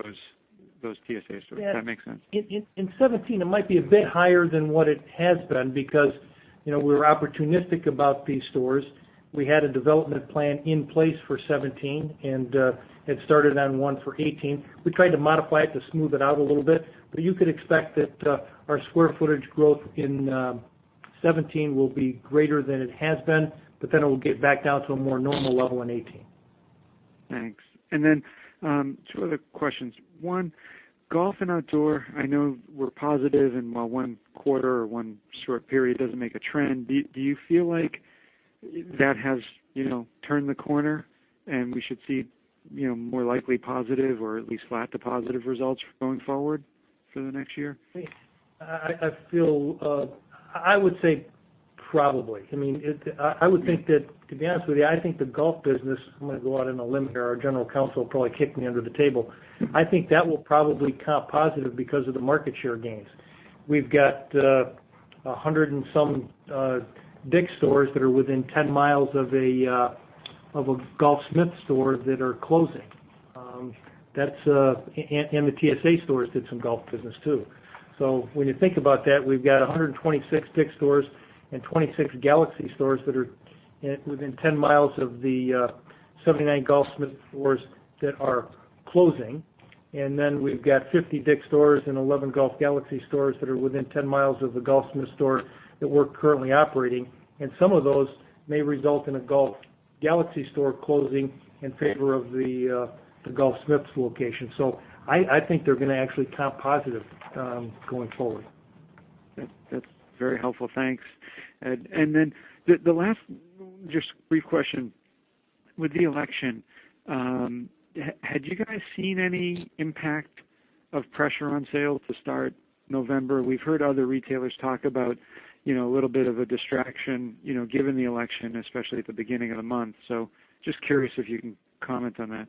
those TSA stores. Does that make sense? Yeah. In 2017, it might be a bit higher than what it has been because we're opportunistic about these stores. We had a development plan in place for 2017, and had started on one for 2018. We tried to modify it to smooth it out a little bit, but then it will get back down to a more normal level in 2018. Thanks. Two other questions. One, golf and outdoor, I know were positive and while one quarter or one short period doesn't make a trend, do you feel like that has turned the corner and we should see more likely positive or at least flat to positive results going forward for the next year? I would say probably. I would think that, to be honest with you, I think the golf business, I'm going to go out on a limb here. Our general counsel will probably kick me under the table. I think that will probably comp positive because of the market share gains. We've got 100 and some DICK'S stores that are within 10 miles of a Golfsmith store that are closing. The TSA stores did some golf business too. When you think about that, we've got 126 DICK'S stores and 26 Golf Galaxy stores that are within 10 miles of the 79 Golfsmith stores that are closing. Then we've got 50 DICK'S stores and 11 Golf Galaxy stores that are within 10 miles of the Golfsmith stores that we're currently operating. Some of those may result in a Golf Galaxy store closing in favor of the Golfsmith's location. I think they're going to actually comp positive going forward. That's very helpful. Thanks. Then the last just brief question. With the election, had you guys seen any impact of pressure on sales to start November? We've heard other retailers talk about a little bit of a distraction given the election, especially at the beginning of the month. Just curious if you can comment on that.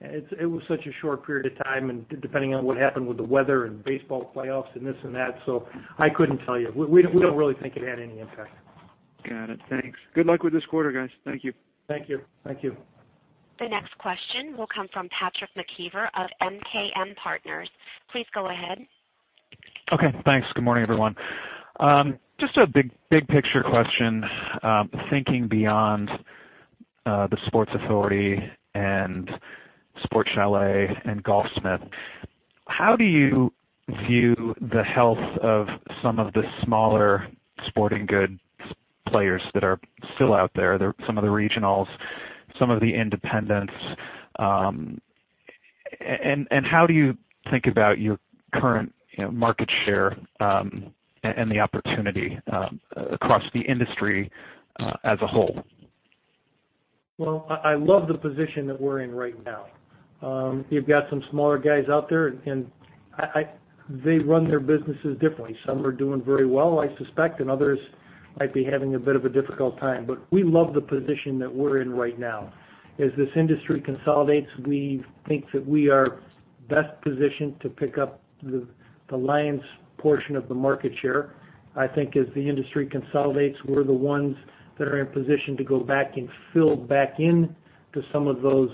It was such a short period of time and depending on what happened with the weather and baseball playoffs and this and that, so I couldn't tell you. We don't really think it had any impact. Got it. Thanks. Good luck with this quarter, guys. Thank you. Thank you. The next question will come from Patrick McKeever of MKM Partners. Please go ahead. Okay. Thanks. Good morning, everyone. Just a big picture question, thinking beyond The Sports Authority and Sport Chalet and Golfsmith, how do you view the health of some of the smaller sporting goods players that are still out there, some of the regionals, some of the independents, and how do you think about your current market share and the opportunity across the industry as a whole? Well, I love the position that we're in right now. You've got some smaller guys out there, and they run their businesses differently. Some are doing very well, I suspect, and others might be having a bit of a difficult time, but we love the position that we're in right now. As this industry consolidates, we think that we are best positioned to pick up the lion's portion of the market share. I think as the industry consolidates, we're the ones that are in position to go back and fill back in to some of those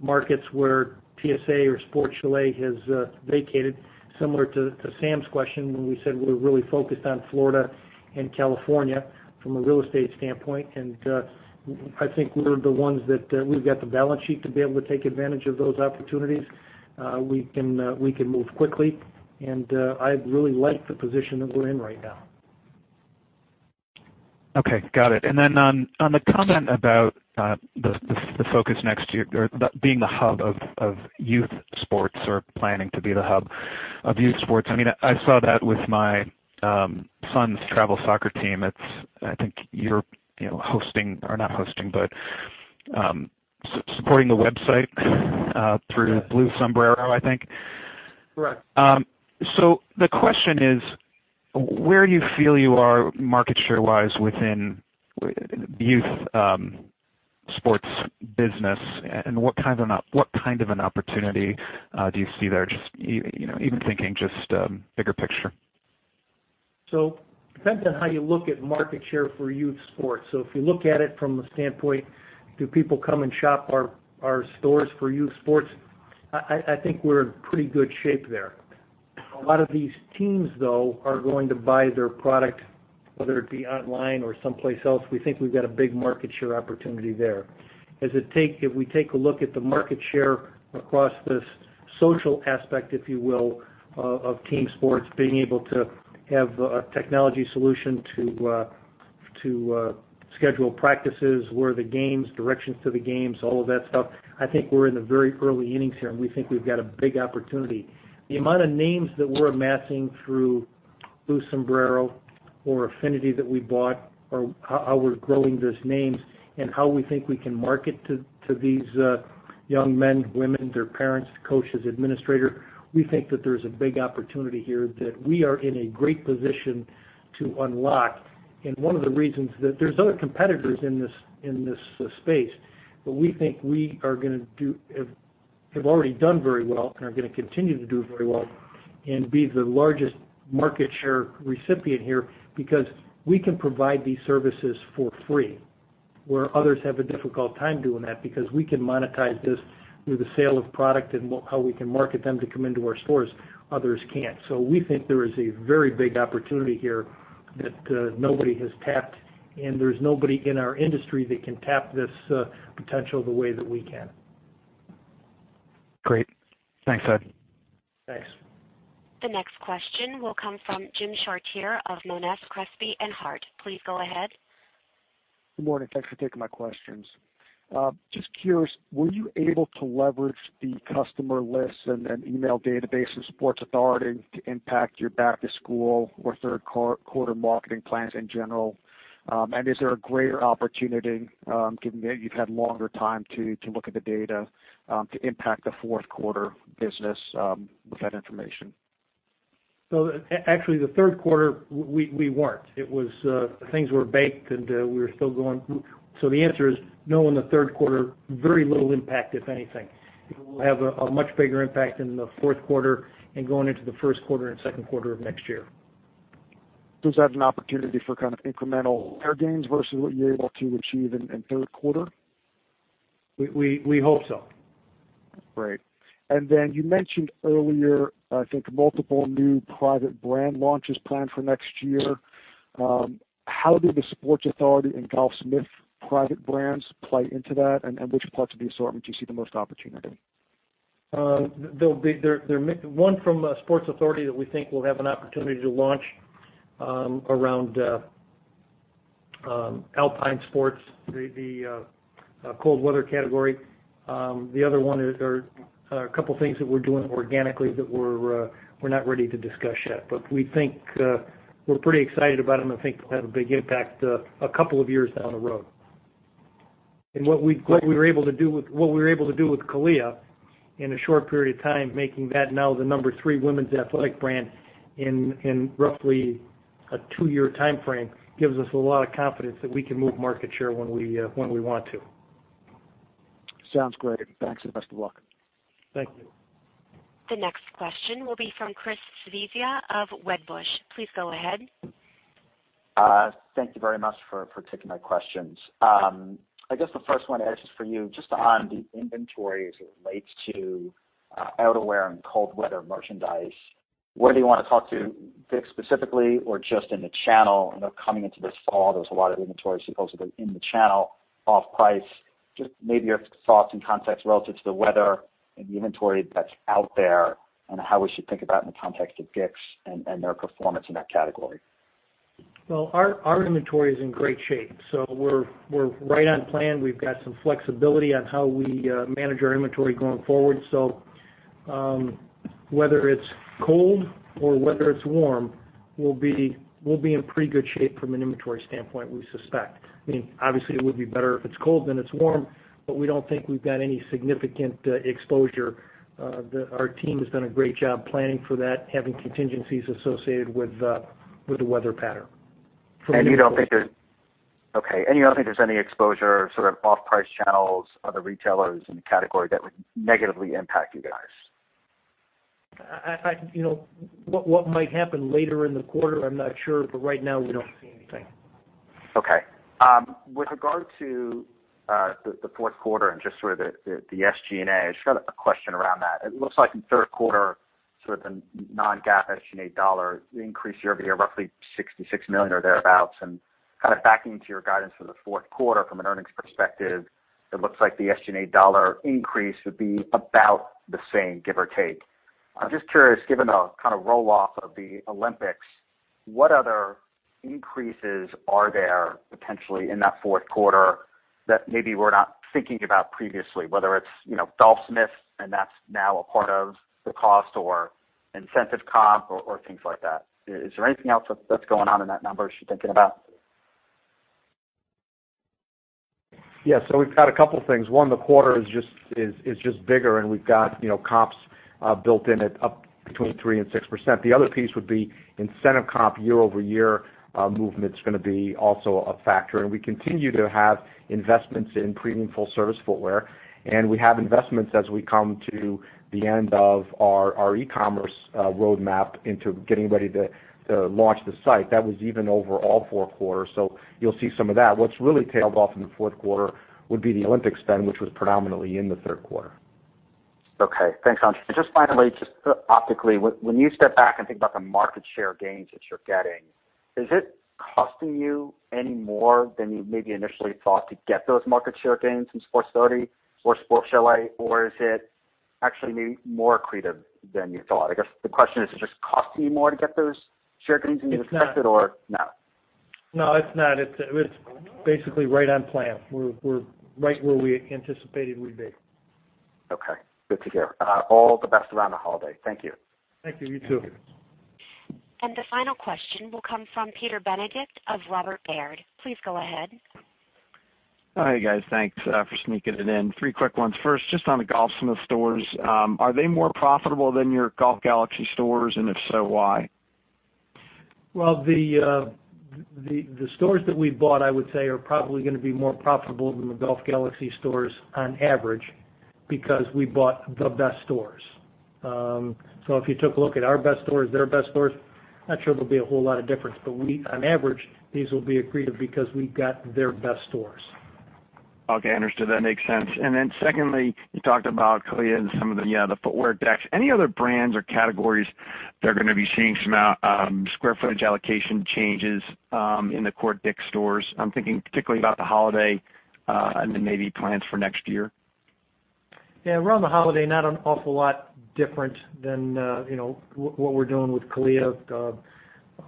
markets where TSA or Sport Chalet has vacated, similar to Sam's question when we said we're really focused on Florida and California from a real estate standpoint. I think we're the ones that, we've got the balance sheet to be able to take advantage of those opportunities. We can move quickly and I really like the position that we're in right now. Okay. Got it. Then on the comment about the focus next year, or the being the hub of youth sports or planning to be the hub of youth sports. I saw that with my son's travel soccer team. I think you're hosting or not hosting, but supporting the website through Blue Sombrero, I think. Right. The question is, where do you feel you are market share-wise within youth sports business, and what kind of an opportunity do you see there? Just even thinking bigger picture. Depends on how you look at market share for youth sports. If you look at it from the standpoint, do people come and shop our stores for youth sports? I think we're in pretty good shape there. A lot of these teams, though, are going to buy their product, whether it be online or someplace else. We think we've got a big market share opportunity there. If we take a look at the market share across this social aspect, if you will, of team sports being able to have a technology solution to schedule practices, where are the games, directions to the games, all of that stuff. I think we're in the very early innings here, and we think we've got a big opportunity. The amount of names that we're amassing through Blue Sombrero or Affinity that we bought, or how we're growing those names and how we think we can market to these young men, women, their parents, coaches, administrator. We think that there's a big opportunity here that we are in a great position to unlock. One of the reasons that there's other competitors in this space, but we think we have already done very well and are going to continue to do very well and be the largest market share recipient here because we can provide these services for free where others have a difficult time doing that because we can monetize this through the sale of product and how we can market them to come into our stores. Others can't. We think there is a very big opportunity here that nobody has tapped, and there's nobody in our industry that can tap this potential the way that we can. Great. Thanks, Ed. Thanks. The next question will come from Jim Chartier of Monness, Crespi and Hardt. Please go ahead. Good morning. Thanks for taking my questions. Just curious, were you able to leverage the customer lists and email database of Sports Authority to impact your back-to-school or third quarter marketing plans in general? Is there a greater opportunity, given that you've had longer time to look at the data, to impact the fourth quarter business with that information? Actually, the third quarter, we weren't. Things were baked and we were still going. The answer is no in the third quarter, very little impact, if anything. We'll have a much bigger impact in the fourth quarter and going into the first quarter and second quarter of next year. Does that have an opportunity for kind of incremental gains versus what you're able to achieve in third quarter? We hope so. Great. Then you mentioned earlier, I think multiple new private brand launches planned for next year. How did the Sports Authority and Golfsmith private brands play into that, and which parts of the assortment do you see the most opportunity? One from Sports Authority that we think will have an opportunity to launch around alpine sports, the cold weather category. The other one, there are a couple things that we're doing organically that we're not ready to discuss yet, but we think we're pretty excited about them and think they'll have a big impact a couple of years down the road. What we were able to do with CALIA in a short period of time, making that now the number 3 women's athletic brand in roughly a two-year timeframe, gives us a lot of confidence that we can move market share when we want to. Sounds great. Thanks, best of luck. Thank you. The next question will be from Chris Svezia of Wedbush. Please go ahead. Thank you very much for taking my questions. I guess the first one is for you, just on the inventory as it relates to outerwear and cold weather merchandise. Whether you want to talk to DICK'S specifically or just in the channel, I know coming into this fall, there was a lot of inventory supposedly in the channel off price. Just maybe your thoughts and context relative to the weather and the inventory that's out there and how we should think about in the context of DICK'S and their performance in that category. Well, our inventory is in great shape. We're right on plan. We've got some flexibility on how we manage our inventory going forward. Whether it's cold or whether it's warm, we'll be in pretty good shape from an inventory standpoint, we suspect. Obviously, it would be better if it's cold than it's warm, we don't think we've got any significant exposure. Our team has done a great job planning for that, having contingencies associated with the weather pattern. Okay. You don't think there's any exposure, sort of off-price channels, other retailers in the category that would negatively impact you guys? What might happen later in the quarter, I'm not sure. Right now, we don't see anything. Okay. With regard to the fourth quarter and just sort of the SG&A, I just got a question around that. It looks like in the third quarter, sort of the non-GAAP SG&A dollar increased year-over-year, roughly $66 million or thereabouts. Kind of backing into your guidance for the fourth quarter from an earnings perspective, it looks like the SG&A dollar increase would be about the same, give or take. I'm just curious, given the kind of roll-off of the Olympics, what other increases are there potentially in that fourth quarter that maybe we're not thinking about previously, whether it's Golfsmith and that's now a part of the cost or incentive comp or things like that. Is there anything else that's going on in that number I should be thinking about? Yeah. We've got a couple things. One, the quarter is just bigger, and we've got comps built in at up between 3% and 6%. The other piece would be incentive comp year-over-year movement's going to be also a factor. We continue to have investments in premium full-service footwear, and we have investments as we come to the end of our e-commerce roadmap into getting ready to launch the site. That was even over all four quarters. You'll see some of that. What's really tailed off in the fourth quarter would be the Olympics spend, which was predominantly in the third quarter. Okay. Thanks, André. Just finally, just optically, when you step back and think about the market share gains that you're getting, is it costing you any more than you maybe initially thought to get those market share gains from Sports Authority or Sport Chalet? Or is it actually more accretive than you thought? I guess the question is it just costing you more to get those share gains than you expected or no? No, it's not. It's basically right on plan. We're right where we anticipated we'd be. Okay, good to hear. All the best around the holiday. Thank you. Thank you. You, too. The final question will come from Peter Benedict of Robert W. Baird. Please go ahead. Hey, guys. Thanks for sneaking it in. Three quick ones. First, just on the Golfsmith stores, are they more profitable than your Golf Galaxy stores? If so, why? Well, the stores that we bought, I would say, are probably going to be more profitable than the Golf Galaxy stores on average because we bought the best stores. If you took a look at our best stores, their best stores, not sure there will be a whole lot of difference. On average, these will be accretive because we got their best stores. Okay, understood. That makes sense. Then secondly, you talked about CALIA and some of the footwear decks. Any other brands or categories that are going to be seeing some square footage allocation changes in the core DICK'S stores? I'm thinking particularly about the holiday and then maybe plans for next year. Yeah. Around the holiday, not an awful lot different than what we're doing with CALIA.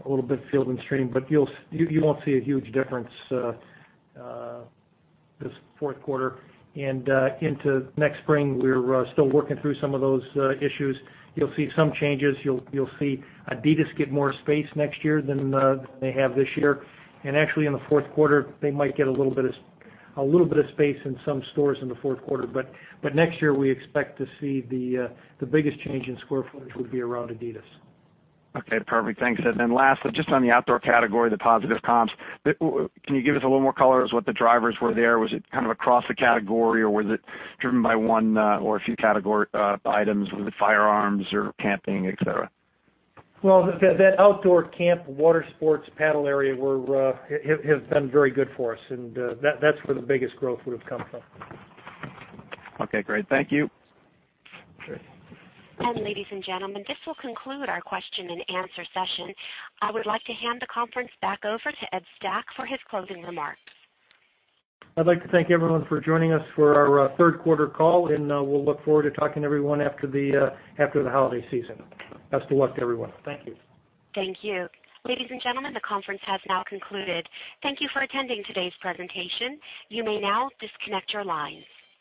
A little bit Field & Stream, but you won't see a huge difference this fourth quarter. Into next spring, we're still working through some of those issues. You'll see some changes. You'll see adidas get more space next year than they have this year. Actually, in the fourth quarter, they might get a little bit of space in some stores in the fourth quarter. Next year, we expect to see the biggest change in square footage would be around adidas. Okay, perfect. Thanks. Then last, just on the outdoor category, the positive comps. Can you give us a little more color as what the drivers were there? Was it kind of across the category, or was it driven by one or a few items, was it firearms or camping, et cetera? Well, that outdoor camp, water sports, paddle area has been very good for us. That's where the biggest growth would've come from. Okay, great. Thank you. Sure. Ladies and gentlemen, this will conclude our Question and Answer Session. I would like to hand the conference back over to Ed Stack for his closing remarks. I'd like to thank everyone for joining us for our third quarter call, and we'll look forward to talking to everyone after the holiday season. Best of luck to everyone. Thank you. Thank you. Ladies and gentlemen, the conference has now concluded. Thank you for attending today's presentation. You may now disconnect your lines.